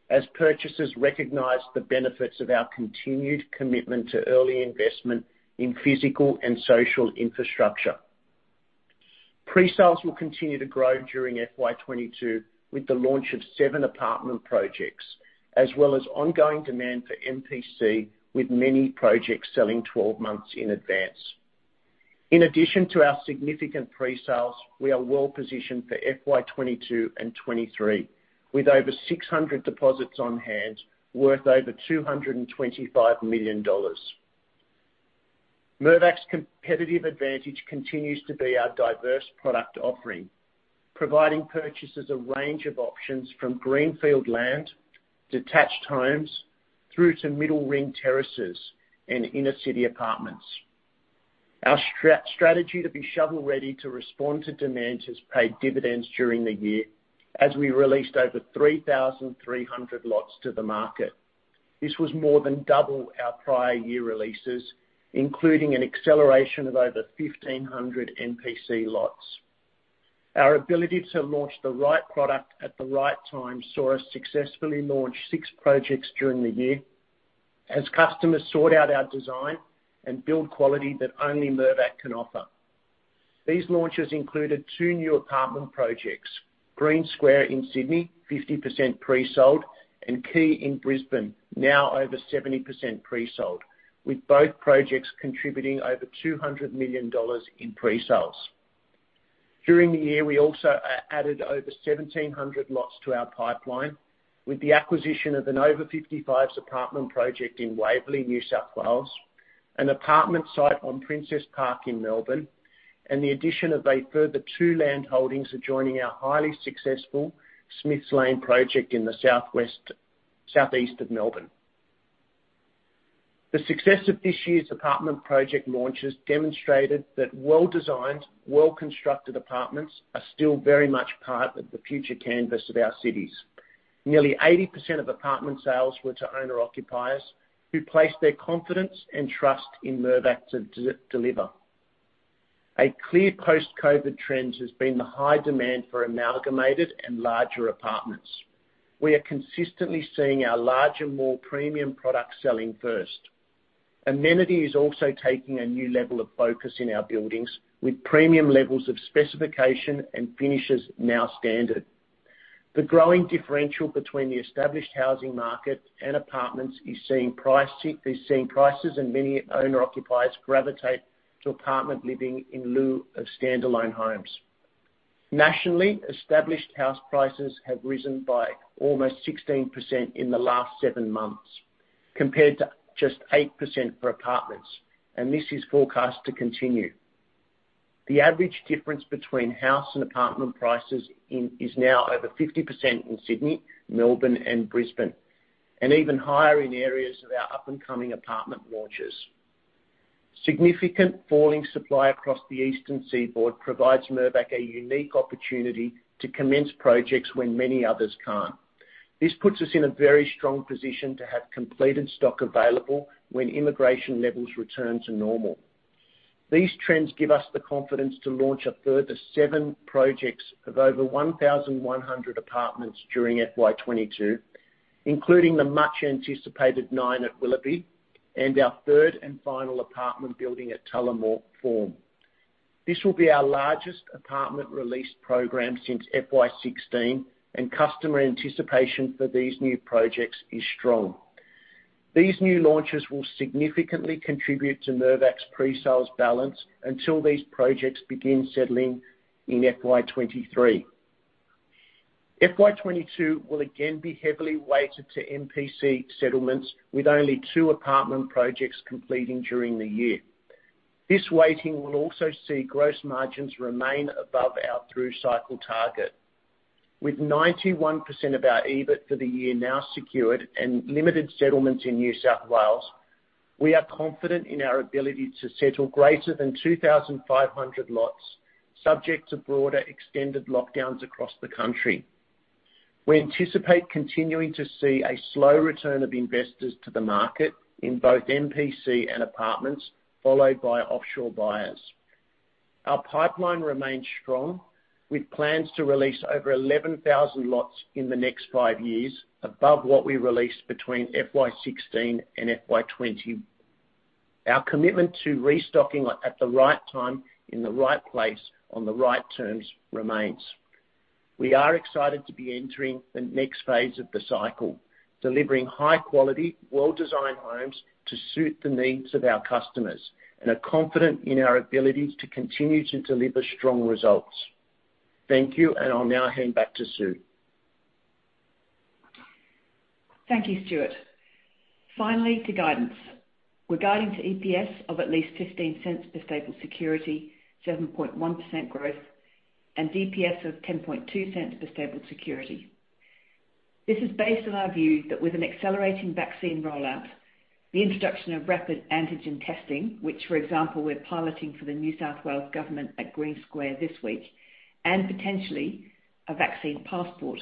S6: as purchasers recognized the benefits of our continued commitment to early investment in physical and social infrastructure. Pre-sales will continue to grow during FY 2022 with the launch of seven apartment projects, as well as ongoing demand for MPC, with many projects selling 12 months in advance. In addition to our significant pre-sales, we are well-positioned for FY 2022 and FY 2023, with over 600 deposits on hand worth over 225 million dollars. Mirvac's competitive advantage continues to be our diverse product offering, providing purchasers a range of options from greenfield land, detached homes, through to middle ring terraces and inner-city apartments. Our strategy to be shovel-ready to respond to demand has paid dividends during the year, as we released over 3,300 lots to the market. This was more than double our prior year releases, including an acceleration of over 1,500 MPC lots. Our ability to launch the right product at the right time saw us successfully launch 6 projects during the year as customers sought out our design and build quality that only Mirvac can offer. These launches included two new apartment projects, Green Square in Sydney, 50% pre-sold, and Quay in Brisbane, now over 70% pre-sold, with both projects contributing over 200 million dollars in pre-sales. During the year, we also added over 1,700 lots to our pipeline with the acquisition of an over 55s apartment project in Waverley, New South Wales, an apartment site on Princes Park in Melbourne, and the addition of a further two land holdings adjoining our highly successful Smiths Lane project in the southeast of Melbourne. The success of this year's apartment project launches demonstrated that well-designed, well-constructed apartments are still very much part of the future canvas of our cities. Nearly 80% of apartment sales were to owner/occupiers who placed their confidence and trust in Mirvac to deliver. A clear post-COVID trend has been the high demand for amalgamated and larger apartments. We are consistently seeing our larger, more premium product selling first. Amenities also taking a new level of focus in our buildings with premium levels of specification and finishes now standard. The growing differential between the established housing market and apartments is seeing prices and many owner-occupiers gravitate to apartment living in lieu of standalone homes. Nationally, established house prices have risen by almost 16% in the last seven months compared to just 8% for apartments, and this is forecast to continue. The average difference between house and apartment prices is now over 50% in Sydney, Melbourne, and Brisbane, and even higher in areas of our up-and-coming apartment launches. Significant falling supply across the eastern seaboard provides Mirvac a unique opportunity to commence projects when many others can't. This puts us in a very strong position to have completed stock available when immigration levels return to normal. These trends give us the confidence to launch a further seven projects of over 1,100 apartments during FY 2022, including the much anticipated NINE at Willoughby and our third and final apartment building at Tullamore, FORME. This will be our largest apartment release program since FY 2016, and customer anticipation for these new projects is strong. These new launches will significantly contribute to Mirvac's pre-sales balance until these projects begin settling in FY 2023. FY 2022 will again be heavily weighted to MPC settlements, with only two apartment projects completing during the year. This weighting will also see gross margins remain above our through cycle target. With 91% of our EBIT for the year now secured and limited settlements in New South Wales, we are confident in our ability to settle greater than 2,500 lots subject to broader extended lockdowns across the country. We anticipate continuing to see a slow return of investors to the market in both MPC and apartments, followed by offshore buyers. Our pipeline remains strong, with plans to release over 11,000 lots in the next five years, above what we released between FY 2016 and FY 2020. Our commitment to restocking at the right time, in the right place, on the right terms remains. We are excited to be entering the next phase of the cycle, delivering high quality, well-designed homes to suit the needs of our customers and are confident in our ability to continue to deliver strong results. Thank you and I'll now hand back to Sue.
S2: Thank you, Stuart. Finally, the guidance. We're guiding to EPS of at least 0.15 per stapled security, 7.1% growth, and DPS of 0.102 per stapled security. This is based on our view that with an accelerating vaccine rollout, the introduction of rapid antigen testing, which for example, we're piloting for the New South Wales government at Green Square this week, and potentially a vaccine passport,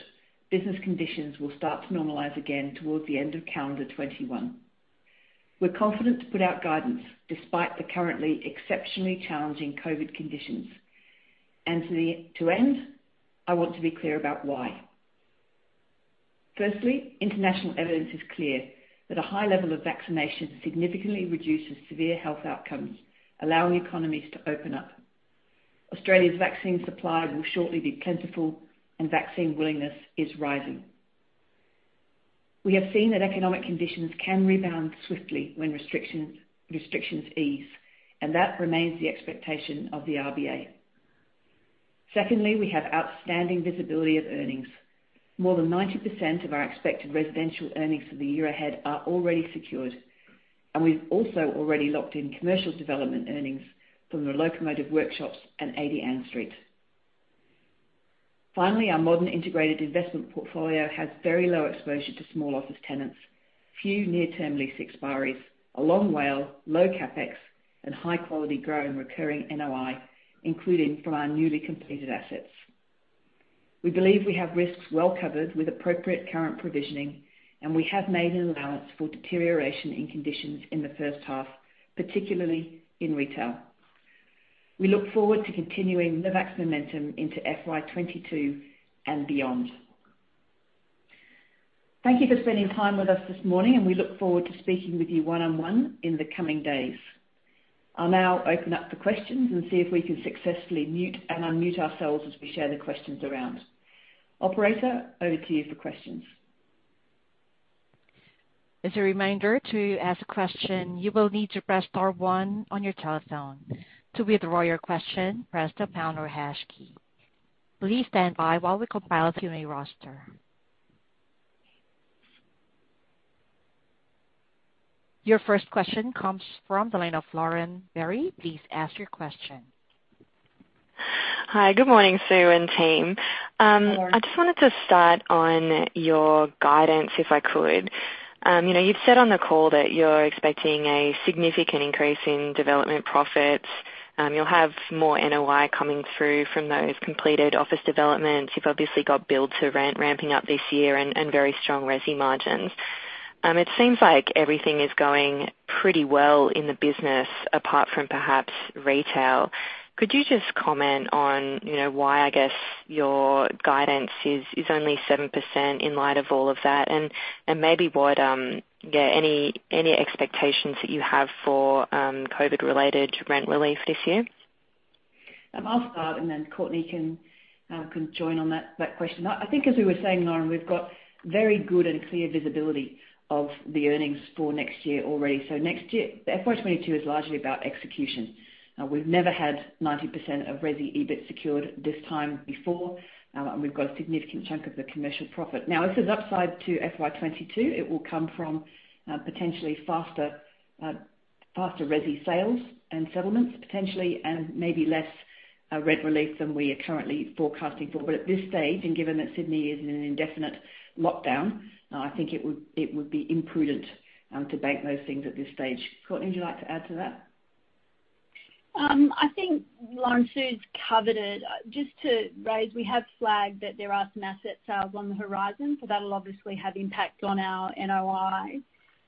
S2: business conditions will start to normalize again towards the end of calendar 2021. We're confident to put out guidance despite the currently exceptionally challenging COVID conditions. To end, I want to be clear about why. Firstly, international evidence is clear that a high level of vaccination significantly reduces severe health outcomes, allowing economies to open up. Australia's vaccine supply will shortly be plentiful, and vaccine willingness is rising. We have seen that economic conditions can rebound swiftly when restrictions ease, and that remains the expectation of the RBA. Secondly, we have outstanding visibility of earnings. More than 90% of our expected residential earnings for the year ahead are already secured and we've also already locked in commercial development earnings from the Locomotive Workshop and 80 Ann Street. Finally, our modern integrated investment portfolio has very low exposure to small office tenants, few near-term lease expiries, a long WALE, low CapEx, and high-quality growing recurring NOI, including from our newly completed assets. We believe we have risks well covered with appropriate current provisioning, and we have made an allowance for deterioration in conditions in the first half, particularly in retail. We look forward to continuing the Mirvac momentum into FY 2022 and beyond. Thank you for spending time with us this morning. We look forward to speaking with you one-on-one in the coming days. I'll now open up for questions and see if we can successfully mute and unmute ourselves as we share the questions around. Operator, over to you for questions.
S1: As a reminder, to ask a question, you will need to press star one on your telephone. To withdraw your question, press the pound or hash key. Please stand by while we compile the Q&A roster. Your first question comes from the line of Lauren Berry. Please ask your question.
S7: Hi. Good morning, Sue and team.
S2: Good morning.
S7: I just wanted to start on your guidance, if I could. You know, you'd said on the call that you're expecting a significant increase in development profits. You'll have more NOI coming through from those completed office developments. You've obviously got build-to-rent ramping up this year and very strong resi margins. It seems like everything is going pretty well in the business, apart from perhaps retail. Could you just comment on why your guidance is only 7% in light of all of that? Maybe what any expectations that you have for COVID related rent relief this year?
S2: I'll start and then Courtenay can join on that question. I think as we were saying, Lauren, we've got very good and clear visibility of the earnings for next year already. Next year, FY 2022 is largely about execution. We've never had 90% of resi EBIT secured this time before, and we've got a significant chunk of the commercial profit. If there's upside to FY 2022, it will come from potentially faster resi sales and settlements, potentially, and maybe less rent relief than we are currently forecasting for. At this stage, and given that Sydney is in an indefinite lockdown, I think it would be imprudent to bank those things at this stage. Courtenay, would you like to add to that?
S3: I think, Lauren, Sue's covered it. Just to raise, we have flagged that there are some asset sales on the horizon, that'll obviously have impact on our NOI.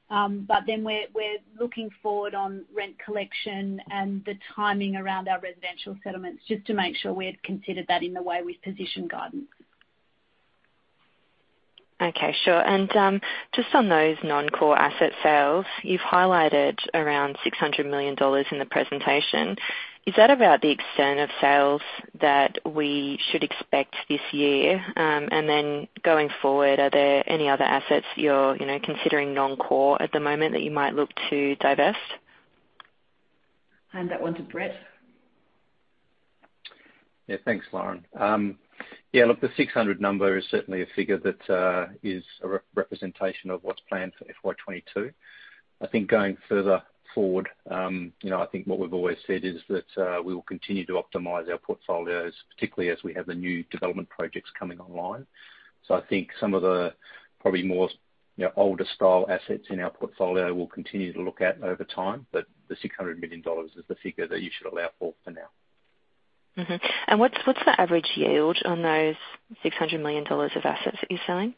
S3: We're looking forward on rent collection, and the timing around our residential settlements, just to make sure we've considered that in the way we've positioned guidance.
S7: Okay, sure, and just on those non-core asset sales, you've highlighted around 600 million dollars in the presentation. Is that about the extent of sales that we should expect this year? Going forward, are there any other assets you're considering non-core at the moment that you might look to divest?
S2: Hand that one to Brett.
S4: Yeah, thanks, Lauren. Look, the 600 number is certainly a figure that is a representation of what's planned for FY 2022. I think going further forward, I think what we've always said is that we will continue to optimize our portfolios, particularly as we have the new development projects coming online. I think some of the probably more older style assets in our portfolio, we'll continue to look at over time, but the 600 million dollars is the figure that you should allow for now.
S7: What's the average yield on those 600 million dollars of assets that you're selling?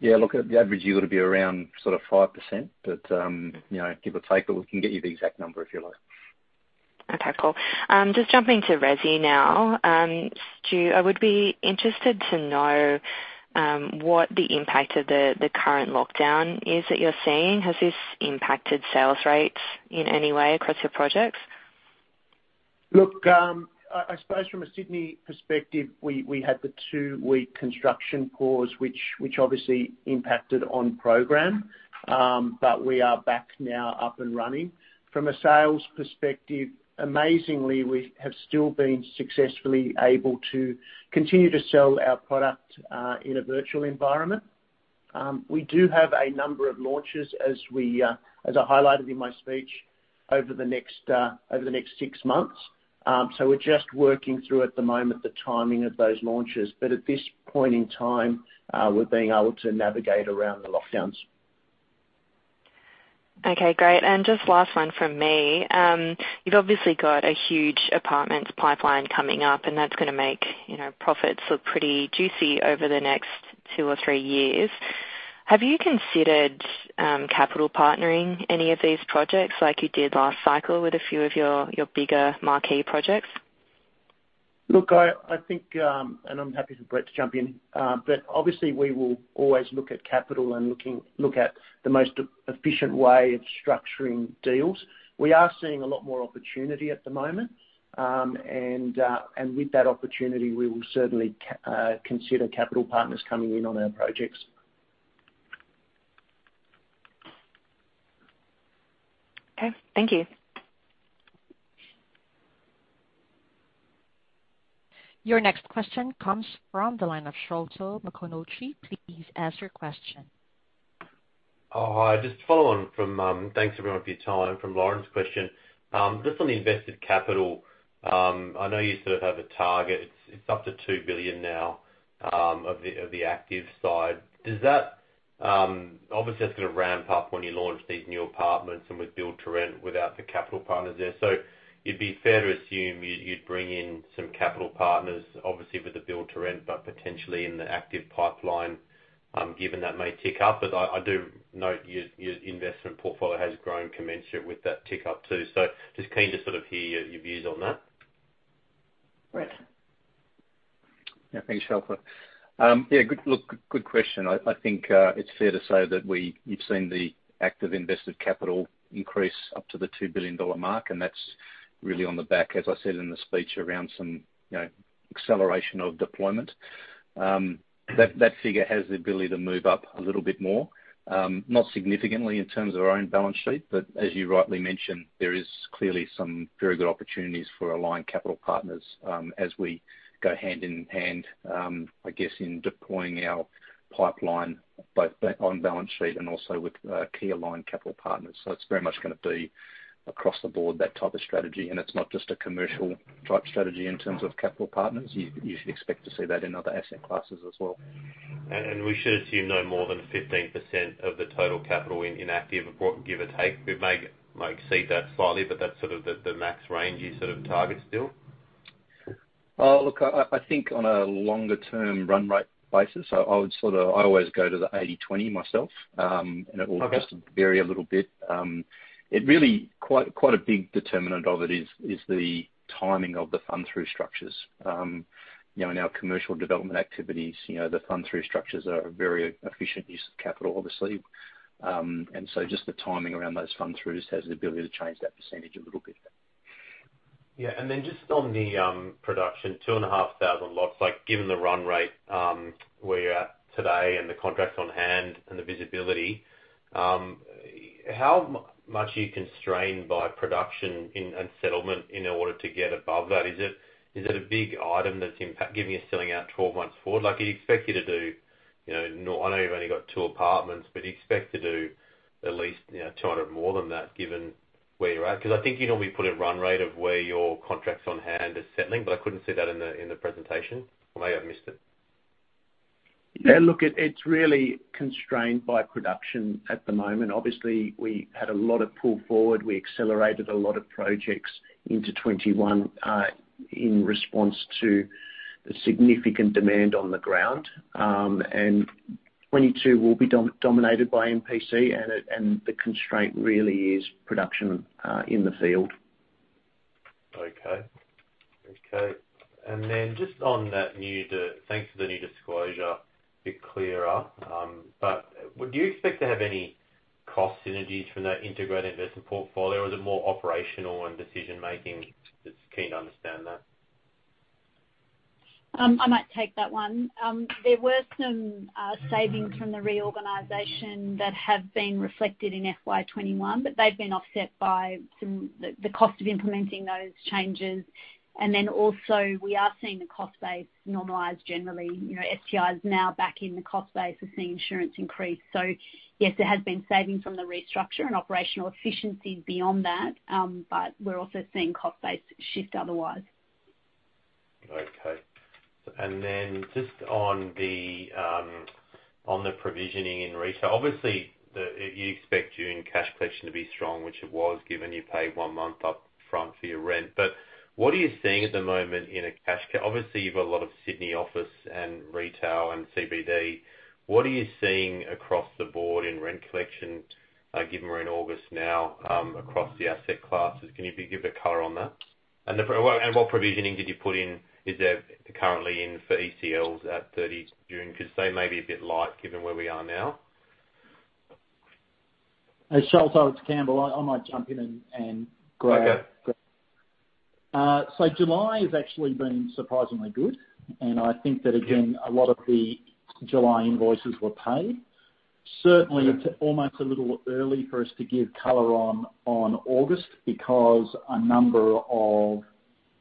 S4: Yeah, look, the average yield would be around sort of 5%, but give or take. We can get you the exact number if you like.
S7: Okay, cool, and just jumping to resi now. Stu, I would be interested to know what the impact of the current lockdown is that you're seeing. Has this impacted sales rates in any way across your projects?
S6: Look, I suppose from a Sydney perspective, we had the two-week construction pause, which obviously impacted on program. We are back now up and running. From a sales perspective, amazingly, we have still been successfully able to continue to sell our product in a virtual environment. We do have a number of launches, as I highlighted in my speech, over the next six months. We're just working through at the moment the timing of those launches. At this point in time, we're being able to navigate around the lockdowns.
S7: Okay, great, and just last one from me. You've obviously got a huge apartments pipeline coming up, and that's going to make profits look pretty juicy over the next two or three years. Have you considered capital partnering any of these projects like you did last cycle with a few of your bigger marquee projects?
S6: Look, I think, and I'm happy for Brett to jump in, but obviously, we will always look at capital and look at the most efficient way of structuring deals. We are seeing a lot more opportunity at the moment. With that opportunity, we will certainly consider capital partners coming in on our projects.
S7: Okay. Thank you.
S1: Your next question comes from the line of Sholto Maconochie. Please ask your question.
S8: Hi, just to follow on from, thanks everyone for your time, from Lauren Berry's question. On the invested capital, I know you sort of have a target. It's up to 2 billion now of the active side. Obviously, that's going to ramp up when you launch these new apartments and with build-to-rent without the capital partners there. It'd be fair to assume you'd bring in some capital partners, obviously with the build-to-rent, but potentially in the active pipeline, given that may tick up. I do note your investment portfolio has grown commensurate with that tick up, too, so just keen to hear your views on that.
S2: Brett.
S4: Thanks, Sholto. Good question. I think it's fair to say that you've seen the active invested capital increase up to the 2 billion dollar mark. That's really on the back, as I said in the speech, around some acceleration of deployment. That figure has the ability to move up a little bit more, not significantly in terms of our own balance sheet. As you rightly mentioned, there is clearly some very good opportunities for aligned capital partners as we go hand in hand, I guess, in deploying our pipeline, both on balance sheet, and also with key aligned capital partners. It's very much going to be across the board, that type of strategy. It's not just a commercial type strategy in terms of capital partners. You should expect to see that in other asset classes as well.
S8: We should assume no more than 15% of the total capital in active, give or take? We may exceed that slightly, but that's sort of the max range you target still?
S4: Look, I think on a longer term run rate basis, I always go to the 80/20 myself.
S8: Okay
S4: It will just vary a little bit, and really, quite a big determinant of it is the timing of the fund through structures. In our commercial development activities, the fund through structures are a very efficient use of capital, obviously, and so just the timing around those fund throughs has the ability to change that percentage a little bit.
S8: Just on the production, 2,500 lots. Given the run rate where you're at today and the contracts on hand and the visibility, how much are you constrained by production and settlement in order to get above that? Is it a big item that's impact, given you're selling out 12 months forward? I know you've only got two apartments, do you expect to do at least 200 more than that given where you're at? I think you normally put a run rate of where your contracts on hand are settling, I couldn't see that in the presentation, or maybe I've missed it.
S6: Yeah, look, it's really constrained by production at the moment. Obviously, we had a lot of pull forward. We accelerated a lot of projects into 2021 in response to the significant demand on the ground. 2022 will be dominated by MPC, and the constraint really is production in the field.
S8: Okay, okay, and then just on that, thanks for the new disclosure. A bit clearer. Would you expect to have any cost synergies from that Integrated Investment Portfolio, or is it more operational and decision-making? I'm just keen to understand that.
S3: I might take that one. There were some savings from the reorganization that have been reflected in FY 2021, but they've been offset by the cost of implementing those changes. Also, We are seeing the cost base normalize generally. STI is now back in the cost base. We're seeing insurance increase. Yes, there has been savings from the restructure and operational efficiencies beyond that, but we're also seeing cost base shift otherwise.
S8: Okay and then just on the provisioning in retail. Obviously, you expect June cash collection to be strong, which it was, given you paid one month up front for your rent. What are you seeing at the moment in a cash collection? Obviously, you've got a lot of Sydney office and retail and CBD. What are you seeing across the board in rent collection, given we're in August now, across the asset classes? Can you give a color on that? What provisioning did you put in, is there currently in for ECLs at 30 June? Because they may be a bit light given where we are now.
S5: Sholto, it's Campbell. I might jump in.
S8: Go ahead.
S5: July has actually been surprisingly good, and I think that, again, a lot of the July invoices were paid. Certainly, it's almost a little early for us to give color on August because a number of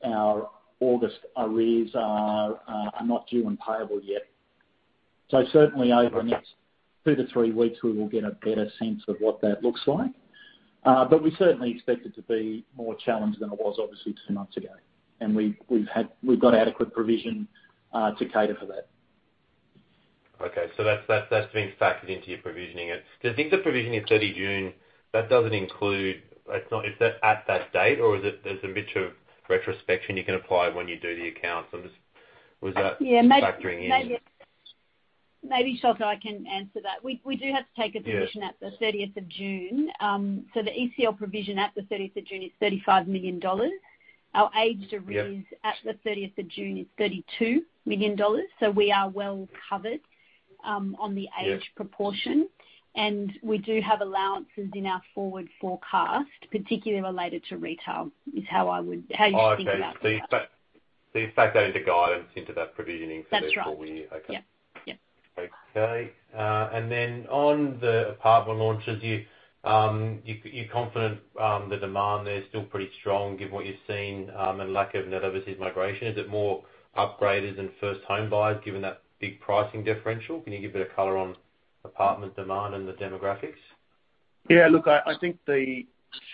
S5: our August arrears are not due and payable yet. Certainly, over the next two to three weeks, we will get a better sense of what that looks like. We certainly expect it to be more challenged than it was, obviously, two months ago. We've got adequate provision to cater for that.
S8: Okay, that's been factored into your provisioning. I think the provisioning at 30 June, that doesn't include, is that at that date, or there's a bit of retrospection you can apply when you do the accounts? Was that factoring in?
S3: Maybe, Sholto, I can answer that. We do have to take a position at the 30th of June. The ECL provision at the 30th of June is 35 million dollars. Our aged arrears at the 30th of June is 32 million dollars. We are well covered on the aged proportion. We do have allowances in our forward forecast, particularly related to retail, is how you should think about that.
S8: Okay, I see. You factor that into guidance into that provisioning for the full year?
S3: That's right. Okay. Yeah, yeah.
S8: Okay. On the apartment launches, you're confident the demand there is still pretty strong given what you've seen, and lack of net overseas migration? Is it more upgraders than first-time buyers, given that big pricing differential? Can you give a bit of color on apartment demand and the demographics?
S6: Yeah, look, I think the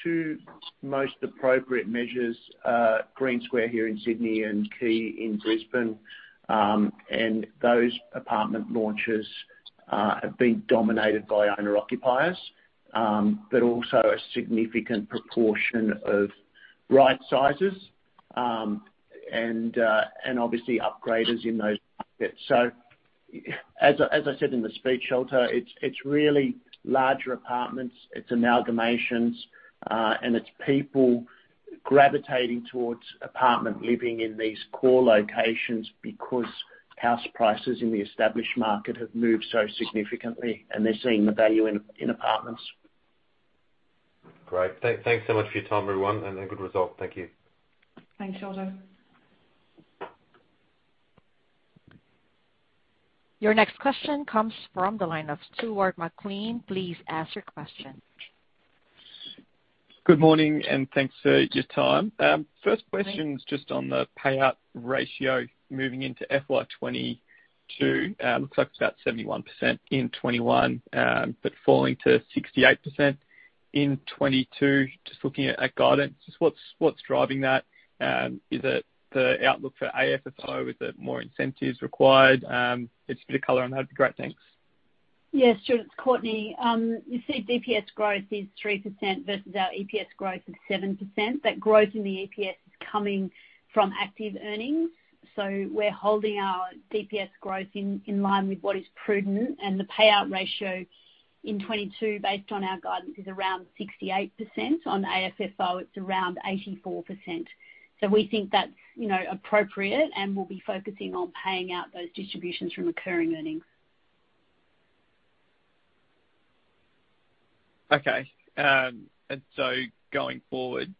S6: two most appropriate measures are Green Square here in Sydney and Quay in Brisbane, and those apartment launches have been dominated by owner-occupiers. Also a significant proportion of right sizers, and obviously upgraders in those pockets. As I said in the speech, Sholto, it's really larger apartments, it's amalgamations, and it's people gravitating towards apartment living in these core locations because house prices in the established market have moved so significantly, and they're seeing the value in apartments.
S8: Great. Thanks so much for your time, everyone, and a good result. Thank you.
S2: Thanks, Sholto.
S1: Your next question comes from the line of Stuart McLean. Please ask your question.
S9: Good morning and thanks for your time.
S3: Good morning.
S9: First question is just on the payout ratio moving into FY 2022. It looks like it's about 71% in 2021, but falling to 68% in 2022 just looking at guidance, so what's driving that? Is it the outlook for AFFO? Is it more incentives required? Just a bit of color on that would be great. Thanks.
S3: Yeah, Stuart, it's Courtenay. You see DPS growth is 3% versus our EPS growth of 7%. That growth in the EPS is coming from active earnings. We're holding our DPS growth in line with what is prudent, and the payout ratio in 2022, based on our guidance, is around 68%. On the AFFO, it's around 84%. We think that's appropriate and we'll be focusing on paying out those distributions from recurring earnings.
S9: Okay, and so going forward,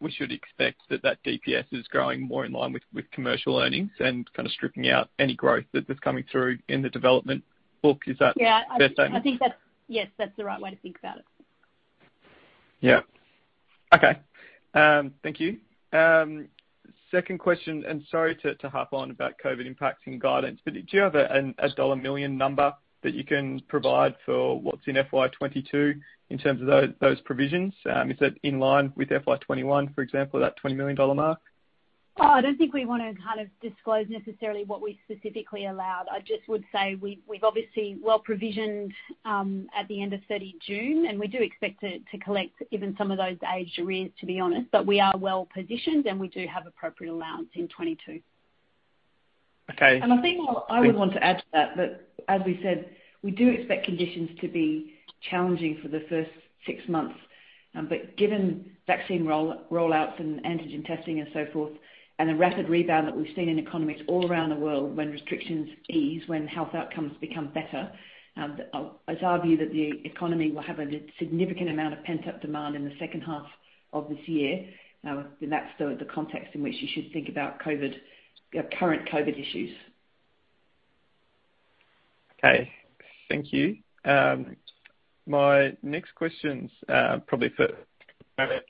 S9: we should expect that that DPS is growing more in line with commercial earnings and kind of stripping out any growth that is coming through in the development book. Is that a fair statement?
S3: I think that, yes, that's the right way to think about it.
S9: Yeah. Okay. Thank you. Second question, and sorry to harp on about COVID impacts and guidance, but do you have an dollar million number that you can provide for what's in FY 2022 in terms of those provisions? Is it in line with FY 2021, for example, that 20 million dollar mark?
S3: I don't think we want to disclose necessarily what we specifically allowed. I just would say we've obviously well provisioned at the end of 30 June, and we do expect to collect even some of those aged arrears, to be honest. We are well-positioned, and we do have appropriate allowance in 2022.
S9: Okay. Thanks.
S2: I think I would want to add to that as we said, we do expect conditions to be challenging for the first six months. Given vaccine rollouts and antigen testing and so forth, and the rapid rebound that we've seen in economies all around the world when restrictions ease, when health outcomes become better, it's our view that the economy will have a significant amount of pent-up demand in the second half of this year. That's the context in which you should think about current COVID issues.
S9: Okay. Thank you. My next question is probably for Mirvac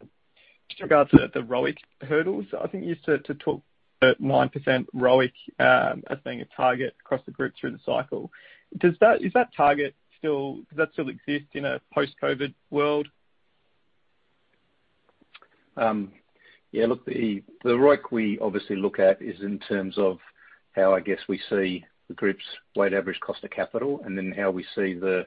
S9: with regards to the ROIC hurdles. I think you used to talk about 9% ROIC as being a target across the group through the cycle. Does that target still exist in a post-COVID world?
S4: The ROIC we obviously look at is in terms of how, I guess, we see the group's weighted average cost of capital, and then how we see the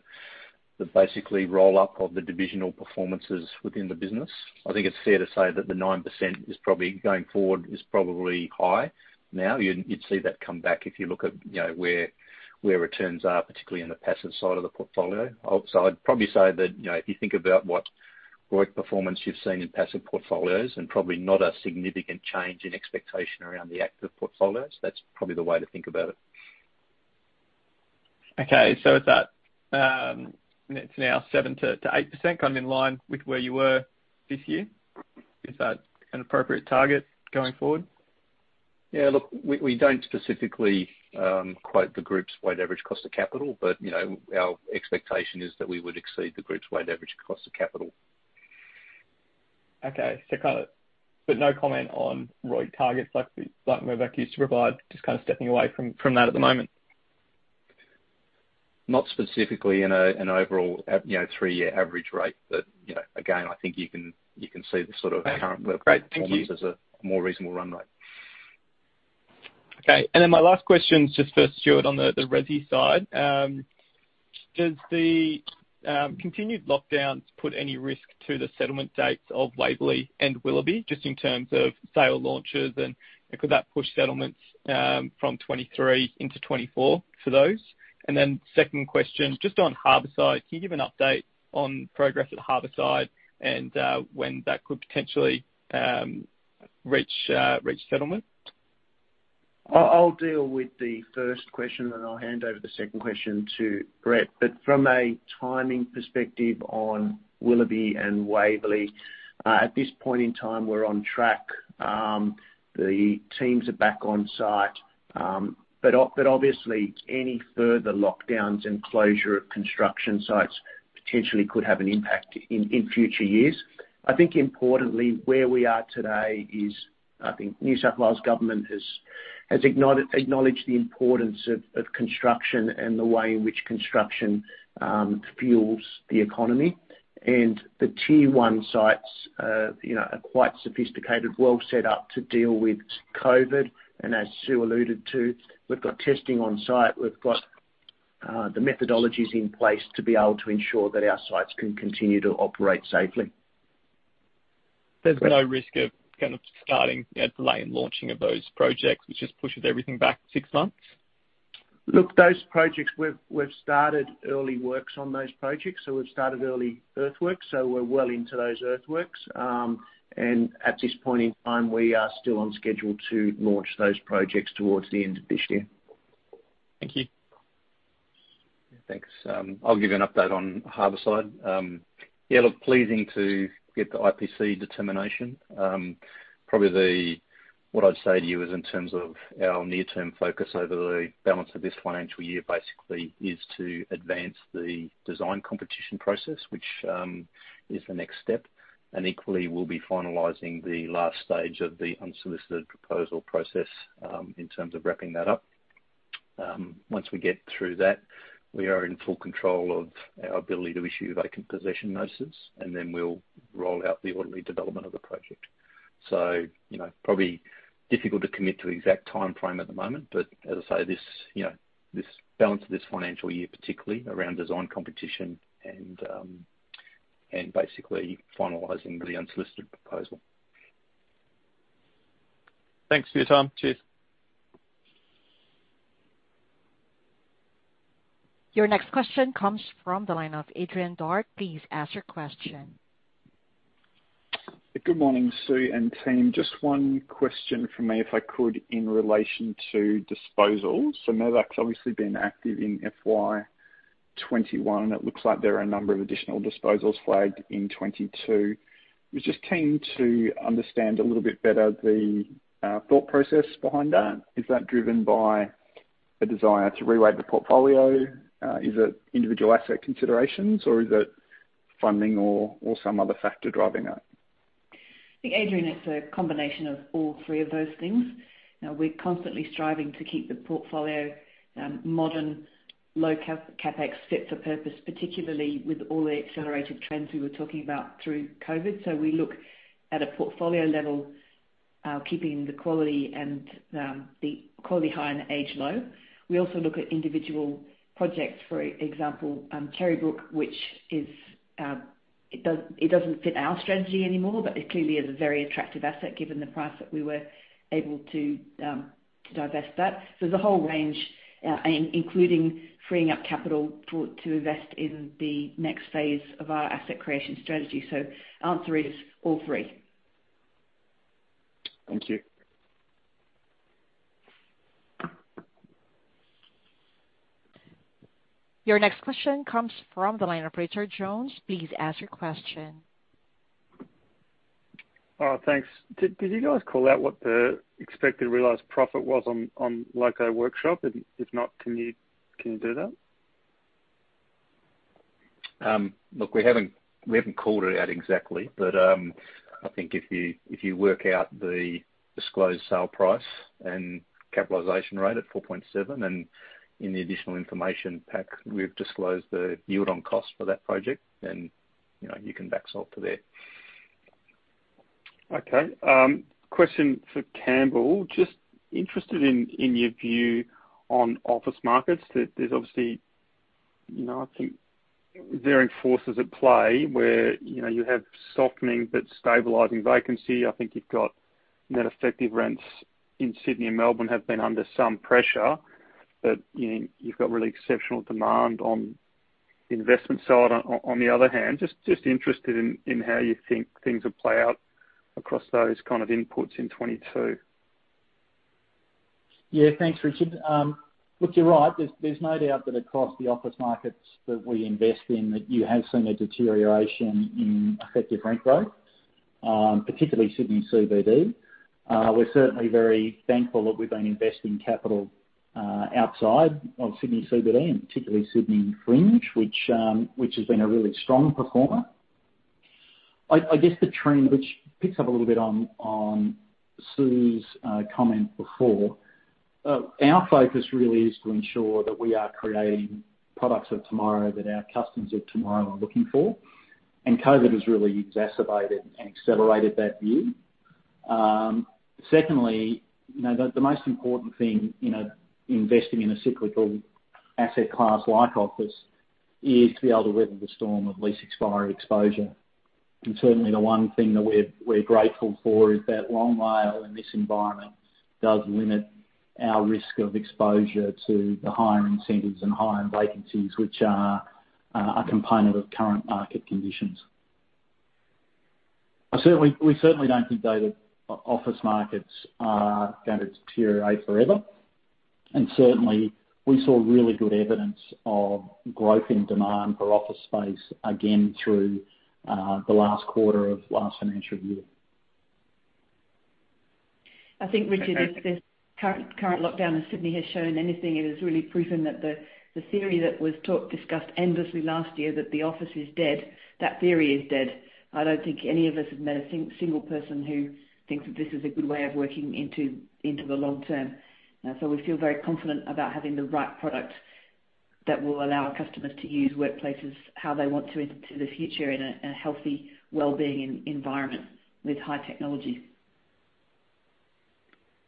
S4: basically roll-up of the divisional performances within the business. I think it's fair to say that the 9% going forward is probably high now. You'd see that come back if you look at where returns are, particularly in the passive side of the portfolio. I'd probably say that, if you think about what ROIC performance you've seen in passive portfolios and probably not a significant change in expectation around the active portfolios, that's probably the way to think about it.
S9: Okay. It's now 7% to 8%, kind of in line with where you were this year. Is that an appropriate target going forward?
S4: Yeah, look, we don't specifically quote the group's weighted average cost of capital. Our expectation is that we would exceed the group's weighted average cost of capital.
S9: Okay. No comment on ROIC targets like Mirvac used to provide, just kind of stepping away from that at the moment?
S4: Not specifically in an overall three-year average rate. Again, I think you can see the sort of current performance as a more reasonable run rate.
S9: Okay. Great. Thank you. Okay. My last question is just for Stuart on the resi side. Does the continued lockdowns put any risk to the settlement dates of Waverley and Willoughby, just in terms of sale launches and could that push settlements from 2023 into 2024 for those? Second question, just on Harbourside, can you give an update on progress at Harbourside and when that could potentially reach settlement?
S6: I'll deal with the first question, then I'll hand over the second question to Brett. From a timing perspective on Willoughby and Waverley, at this point in time, we're on track. The teams are back on site. Obviously, any further lockdowns and closure of construction sites potentially could have an impact in future years. I think importantly, where we are today is, I think New South Wales government has acknowledged the importance of construction and the way in which construction fuels the economy. The tier 1 sites are quite sophisticated, well set up to deal with COVID. As Sue alluded to, we've got testing on site. We've got the methodologies in place to be able to ensure that our sites can continue to operate safely.
S9: There's no risk of starting a delay in launching of those projects, which just pushes everything back six months?
S6: Look, those projects, we've started early works on those projects. We've started early earthworks, so we're well into those earthworks. At this point in time, we are still on schedule to launch those projects towards the end of this year.
S9: Thank you.
S4: Thanks. I'll give you an update on Harbourside. Yeah, look, pleasing to get the IPC determination. Probably, what I'd say to you is in terms of our near-term focus over the balance of this financial year, basically, is to advance the design competition process, which is the next step. Equally, we'll be finalizing the last stage of the unsolicited proposal process, in terms of wrapping that up. Once we get through that, we are in full control of our ability to issue vacant possession notices, then we'll roll out the orderly development of the project. Probably difficult to commit to an exact timeframe at the moment, but as I say, this balance of this financial year, particularly around design competition and basically finalizing the unsolicited proposal.
S9: Thanks for your time. Cheers.
S1: Your next question comes from the line of Adrian Dark Please ask your question.
S10: Good morning, Sue and team. Just one question from me, if I could, in relation to disposals. Mirvac's obviously been active in FY 2021, and it looks like there are a number of additional disposals flagged in 2022. Was just keen to understand a little bit better the thought process behind that. Is that driven by a desire to reweight the portfolio? Is it individual asset considerations, or is it funding or some other factor driving it?
S2: I think, Adrian, it's a combination of all three of those things. We're constantly striving to keep the portfolio modern, low CapEx, fit for purpose, particularly with all the accelerated trends we were talking about through COVID. We look at a portfolio level, keeping the quality high and the age low. We also look at individual projects, for example, Cherrybrook, which it doesn't fit our strategy anymore, but it clearly is a very attractive asset given the price that we were able to divest that. There's a whole range, including freeing up capital to invest in the next phase of our asset creation strategy, so the answer is all three.
S10: Thank you.
S1: Your next question comes from the line of Richard Jones. Please ask your question.
S11: Thanks. Did you guys call out what the expected realized profit was on Loco Workshop? If not, can you do that?
S4: Look, we haven't called it out exactly. I think if you work out the disclosed sale price and capitalization rate at 4.7%, and in the additional information pack, we've disclosed the yield on cost for that project, then you can back solve to there.
S11: Okay, a question for Campbell, just interested in your view on office markets. There's obviously, I think, varying forces at play where you have softening but stabilizing vacancy. I think you've got net effective rents in Sydney and Melbourne have been under some pressure, but you've got really exceptional demand on the investment side, on the other hand. I'm just interested in how you think things will play out across those kind of inputs in 2022.
S5: Yeah. Thanks, Richard. Look, you're right, there's no doubt that across the office markets that we invest in, that you have seen a deterioration in effective rent growth, particularly Sydney CBD. We're certainly very thankful that we've been investing capital outside of Sydney CBD and particularly Sydney Fringe, which has been a really strong performer. The trend, which picks up a little bit on Sue's comment before, our focus really is to ensure that we are creating products of tomorrow that our customers of tomorrow are looking for. COVID has really exacerbated and accelerated that view. Secondly, the most important thing investing in a cyclical asset class like office is to be able to weather the storm of lease expiry exposure. Certainly the one thing that we're grateful for is that long WALE in this environment does limit our risk of exposure to the higher incentives and higher vacancies, which are a component of current market conditions. We certainly don't think that office markets are going to deteriorate forever, certainly we saw really good evidence of growth in demand for office space again through the last quarter of last financial year.
S2: I think, Richard, if this current lockdown in Sydney has shown anything, it has really proven that the theory that was discussed endlessly last year, that the office is dead, that theory is dead. I don't think any of us have met a single person who thinks that this is a good way of working into the long term. We feel very confident about having the right product that will allow our customers to use workplaces how they want to into the future in a healthy, wellbeing environment with high technology.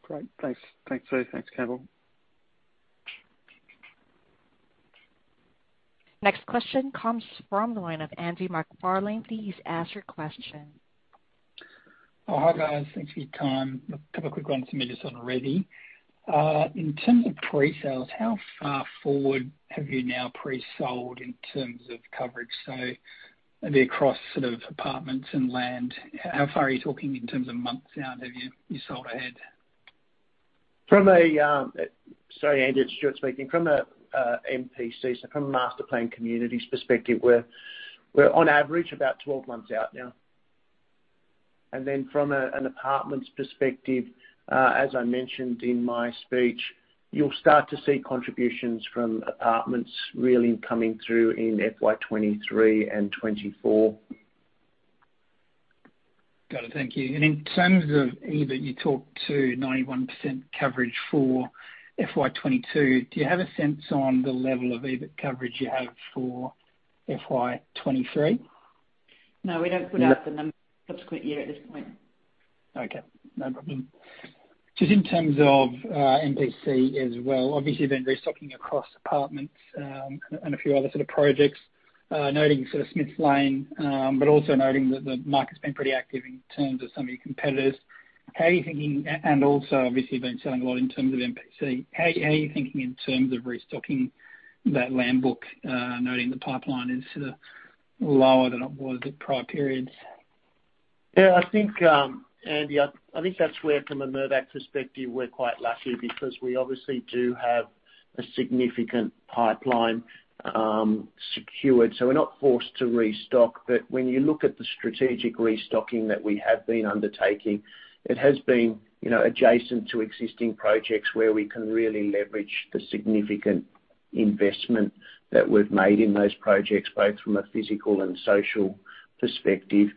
S11: Great, thanks. Thanks, Sue. Thanks, Campbell.
S1: Next question comes from the line of Andy MacFarlane. Please ask your question.
S12: Hi, guys. Thanks for your time. A couple of quick ones from me just on resi. In terms of pre-sales, how far forward have you now pre-sold in terms of coverage? Maybe across sort of apartments and land, how far are you talking in terms of months out have you sold ahead?
S6: Sorry, Andy, it's Stuart speaking. From a MPC, so from a Master Planned Community perspective, we're on average about 12 months out now. Then from an apartments perspective, as I mentioned in my speech, you'll start to see contributions from apartments really coming through in FY 2023 and 2024.
S12: Got it, thank you, and in terms of EBIT, you talked to 91% coverage for FY 2022. Do you have a sense on the level of EBIT coverage you have for FY 2023?
S2: No, we don't put out the numbers for the subsequent year at this point.
S12: Okay, no problem. In terms of MPC as well, obviously, you've been restocking across apartments and a few other sort of projects, noting sort of Smiths Lane, but also noting that the market's been pretty active in terms of some of your competitors. Also, obviously, you've been selling a lot in terms of MPC. How are you thinking in terms of restocking that land book, noting the pipeline is sort of lower than it was at prior periods?
S6: Yeah, I think, Andy, I think that's where from a Mirvac perspective, we're quite lucky because we obviously do have a significant pipeline secured, so we're not forced to restock. When you look at the strategic restocking that we have been undertaking, it has been adjacent to existing projects where we can really leverage the significant investment that we've made in those projects, both from a physical and social perspective.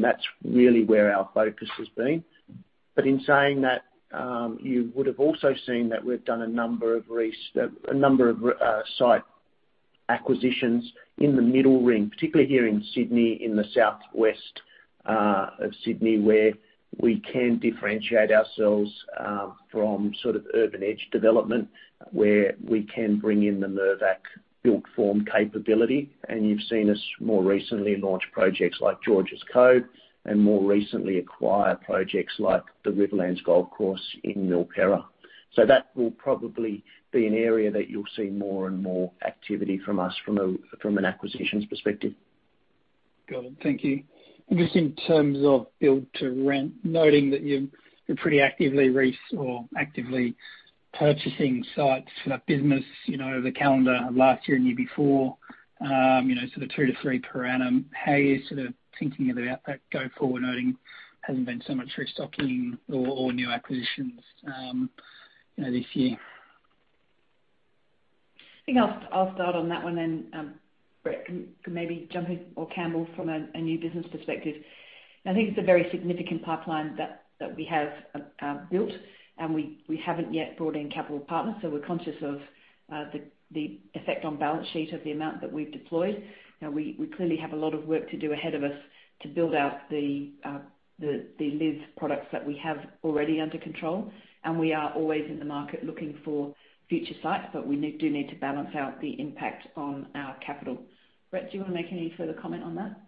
S6: That's really where our focus has been. In saying that, you would have also seen that we've done a number of site acquisitions in the middle ring, particularly here in Sydney, in the southwest of Sydney, where we can differentiate ourselves from sort of urban edge development, where we can bring in the Mirvac built form capability. You've seen us more recently launch projects like Georges Cove and more recently acquire projects like the Riverlands Golf Course in Milperra. That will probably be an area that you'll see more and more activity from us from an acquisitions perspective.
S12: Got it, thank you, and just in terms of build to rent, noting that you're pretty actively purchasing sites for that business, the calendar last year and year before, sort of two to three per annum. How are you sort of thinking about that go forward, noting there hasn't been so much restocking or new acquisitions this year?
S2: I think I'll start on that one then Brett can maybe jump in or Campbell from a new business perspective. I think it's a very significant pipeline that we have built, and we haven't yet brought in capital partners, so we're conscious of the effect on balance sheet of the amount that we've deployed. We clearly have a lot of work to do ahead of us to build out the live products that we have already under control. We are always in the market looking for future sites, but we do need to balance out the impact on our capital. Brett, do you want to make any further comment on that?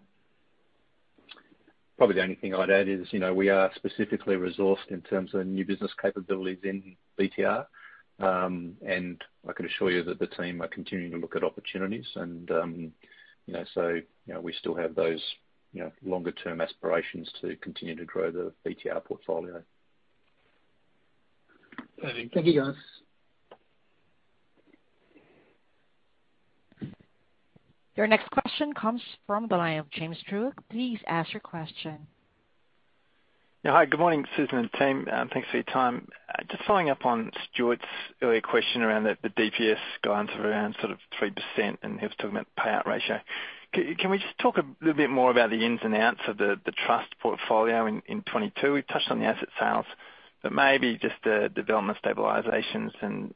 S4: Probably the only thing I'd add is, we are specifically resourced in terms of new business capabilities in BTR. I can assure you that the team are continuing to look at opportunities. We still have those longer-term aspirations to continue to grow the BTR portfolio.
S6: Thanks.
S12: Thank you, guys.
S1: Your next question comes from the line of James Druce. Please ask your question.
S13: Yeah. Hi, good morning, Susan and team. Thanks for your time. Just following up on Stuart's earlier question around the DPS going through around sort of 3%. He was talking about the payout ratio. Can we just talk a little bit more about the ins and outs of the trust portfolio in 2022? We've touched on the asset sales. Maybe just the development stabilizations and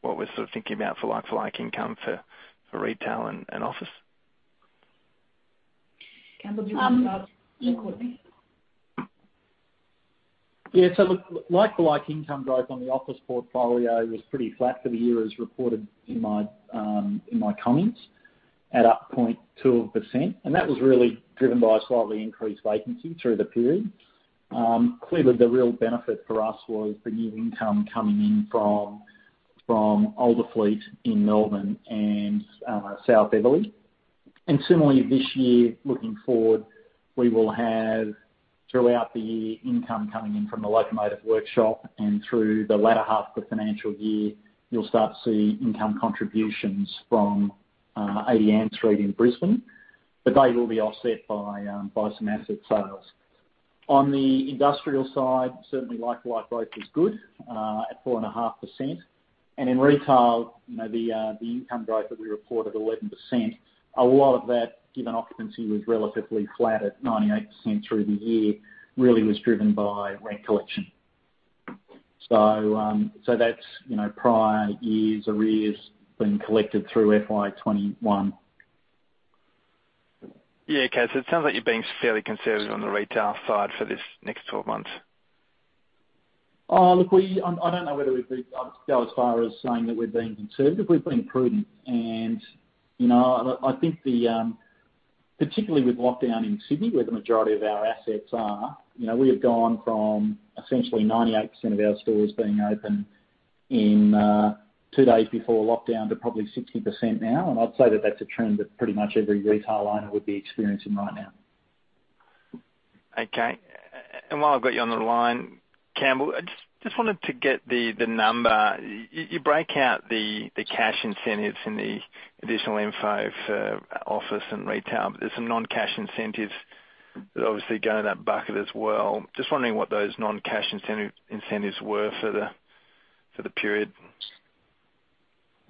S13: what we're sort of thinking about for like-for-like income for retail and office.
S4: Campbell, do you want to start?
S5: Yeah, yeah, so like-to-like income growth on the office portfolio was pretty flat for the year as reported in my comments, at up 0.2%. That was really driven by slightly increased vacancy through the period. Clearly, the real benefit for us was the new income coming in from Olderfleet in Melbourne and South Eveleigh. Similarly, this year, looking forward, we will have, throughout the year, income coming in from the Locomotive Workshop, and through the latter half of the financial year, you'll start to see income contributions from 80 Ann Street in Brisbane. They will be offset by some asset sales. On the industrial side, certainly like-to-like growth was good at 4.5%. In retail, the income growth that we reported, 11%, a lot of that, given occupancy was relatively flat at 98% through the year, really was driven by rent collection. That's prior years' arrears being collected through FY 2021.
S13: Yeah. Okay. It sounds like you're being fairly conservative on the retail side for this next 12 months.
S5: Look, I don't know whether we'd go as far as saying that we're being conservative. We're being prudent. I think, particularly with lockdown in Sydney, where the majority of our assets are, we have gone from essentially 98% of our stores being open in two days before lockdown to probably 60% now. I'd say that that's a trend that pretty much every retail owner would be experiencing right now.
S13: Okay, and while I've got you on the line, Campbell, I just wanted to get the number. You break out the cash incentives in the additional info for office and retail, but there's some non-cash incentives that obviously go in that bucket as well. I'm just wondering what those non-cash incentives were for the period.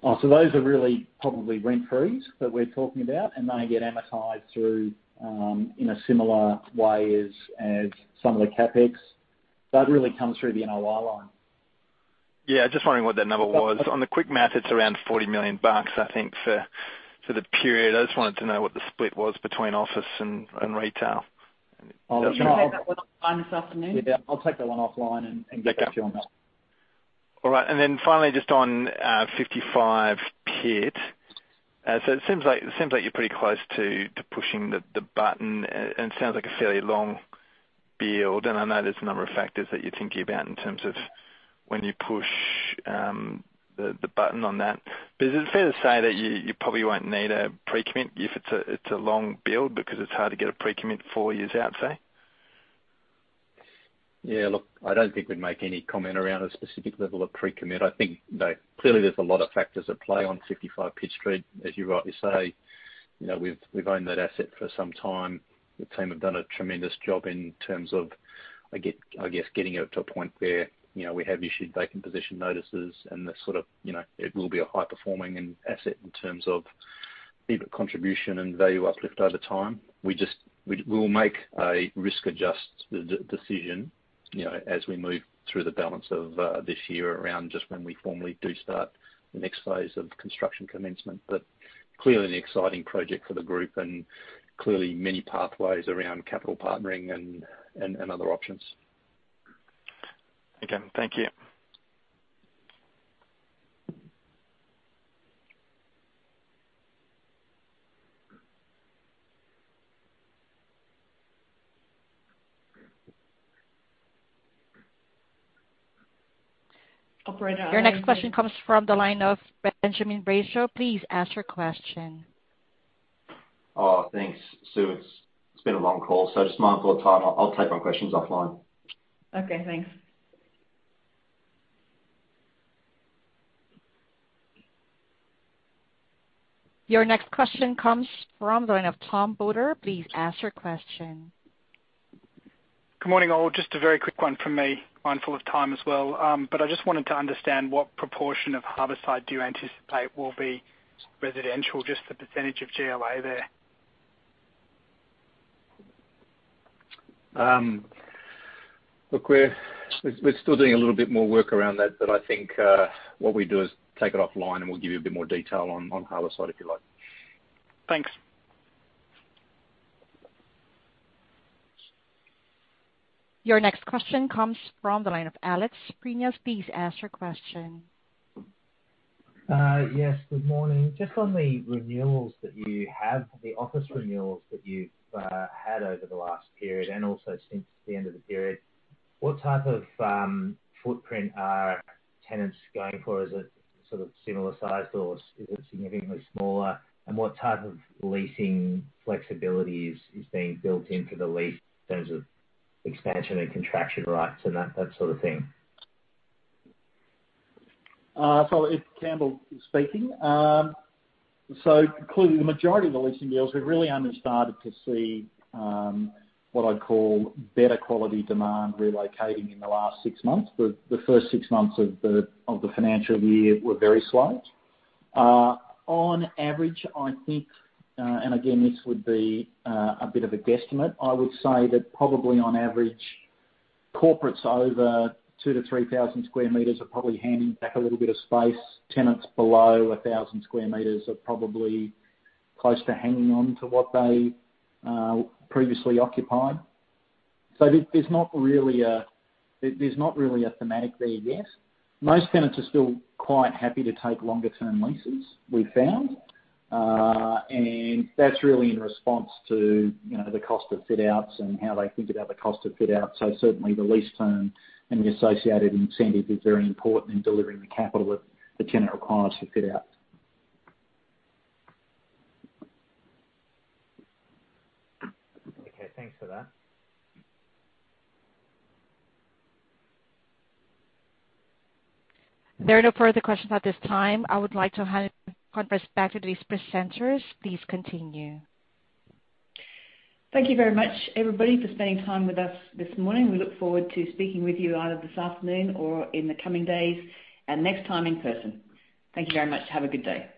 S5: Oh, those are really probably rent frees that we're talking about, and they get amortized through in a similar way as some of the CapEx. That really comes through the NOI line.
S13: Yeah. I'm just wondering what that number was. On the quick math, it's around 40 million bucks, I think, for the period. I just wanted to know what the split was between office and retail.
S5: Can we take that one offline this afternoon? Yeah, I'll take that one offline and get back to you on that.
S13: All right. Finally, just on 55 Pitt. It seems like you're pretty close to pushing the button, and it sounds like a fairly long build, and I know there's a number of factors that you're thinking about in terms of when you push the button on that. Is it fair to say that you probably won't need a pre-commit if it's a long build because it's hard to get a pre-commit four years out, say?
S4: Yeah, look, I don't think we'd make any comment around a specific level of pre-commit. I think that clearly there's a lot of factors at play on 55 Pitt Street. As you rightly say, we've owned that asset for some time. The team have done a tremendous job in terms of, I guess, getting it to a point where we have issued vacant possession notices, and it will be a high-performing asset in terms of EBIT contribution and value uplift over time. We will make a risk-adjusted decision as we move through the balance of this year around just when we formally do start the next phase of construction commencement. Clearly, an exciting project for the group and clearly many pathways around capital partnering and other options.
S13: Okay. Thank you.
S2: Operator.
S1: Your next question comes from the line of Ben Brayshaw. Please ask your question.
S14: Thanks, Sue. It's been a long call, so just mindful of time, I'll take my questions offline.
S2: Okay, thanks.
S1: Your next question comes from the line of Tom Bodor. Please ask your question.
S15: Good morning, all. Just a very quick one from me, mindful of time as well. I just wanted to understand what proportion of Harbourside do you anticipate will be residential, just the percentage of GLA there?
S4: Look, we're still doing a little bit more work around that, but I think what we'll do is take it offline, and we'll give you a bit more detail on Harbourside, if you like.
S15: Thanks.
S1: Your next question comes from the line of Alex Prineas. Please ask your question.
S16: Yes, good morning, and just on the renewals that you have, the office renewals that you've had over the last period and also since the end of the period, what type of footprint are tenants going for? Is it sort of similar size, or is it significantly smaller? What type of leasing flexibility is being built into the lease in terms of expansion and contraction rights and that sort of thing?
S5: It's Campbell speaking. Clearly the majority of the leasing deals, we've really only started to see what I'd call better quality demand relocating in the last 6 months. The first 6 months of the financial year were very slow. On average, I think, and again, this would be a bit of a guesstimate, I would say that probably on average, corporates over 2,000 sq m to 3,000 sq m are probably handing back a little bit of space. Tenants below 1,000 sq m are probably close to hanging on to what they previously occupied. There's not really a thematic there, yet. Most tenants are still quite happy to take longer-term leases, we've found, and that's really in response to the cost of fit outs, and how they think about the cost of fit out. Certainly the lease term and the associated incentives is very important in delivering the capital that the tenant requires for fit out.
S16: Okay, thanks for that.
S1: There are no further questions at this time. I would like to hand conference back to these presenters. Please continue.
S2: Thank you very much, everybody, for spending time with us this morning. We look forward to speaking with you either this afternoon or in the coming days, and next time in person. Thank you very much and have a good day.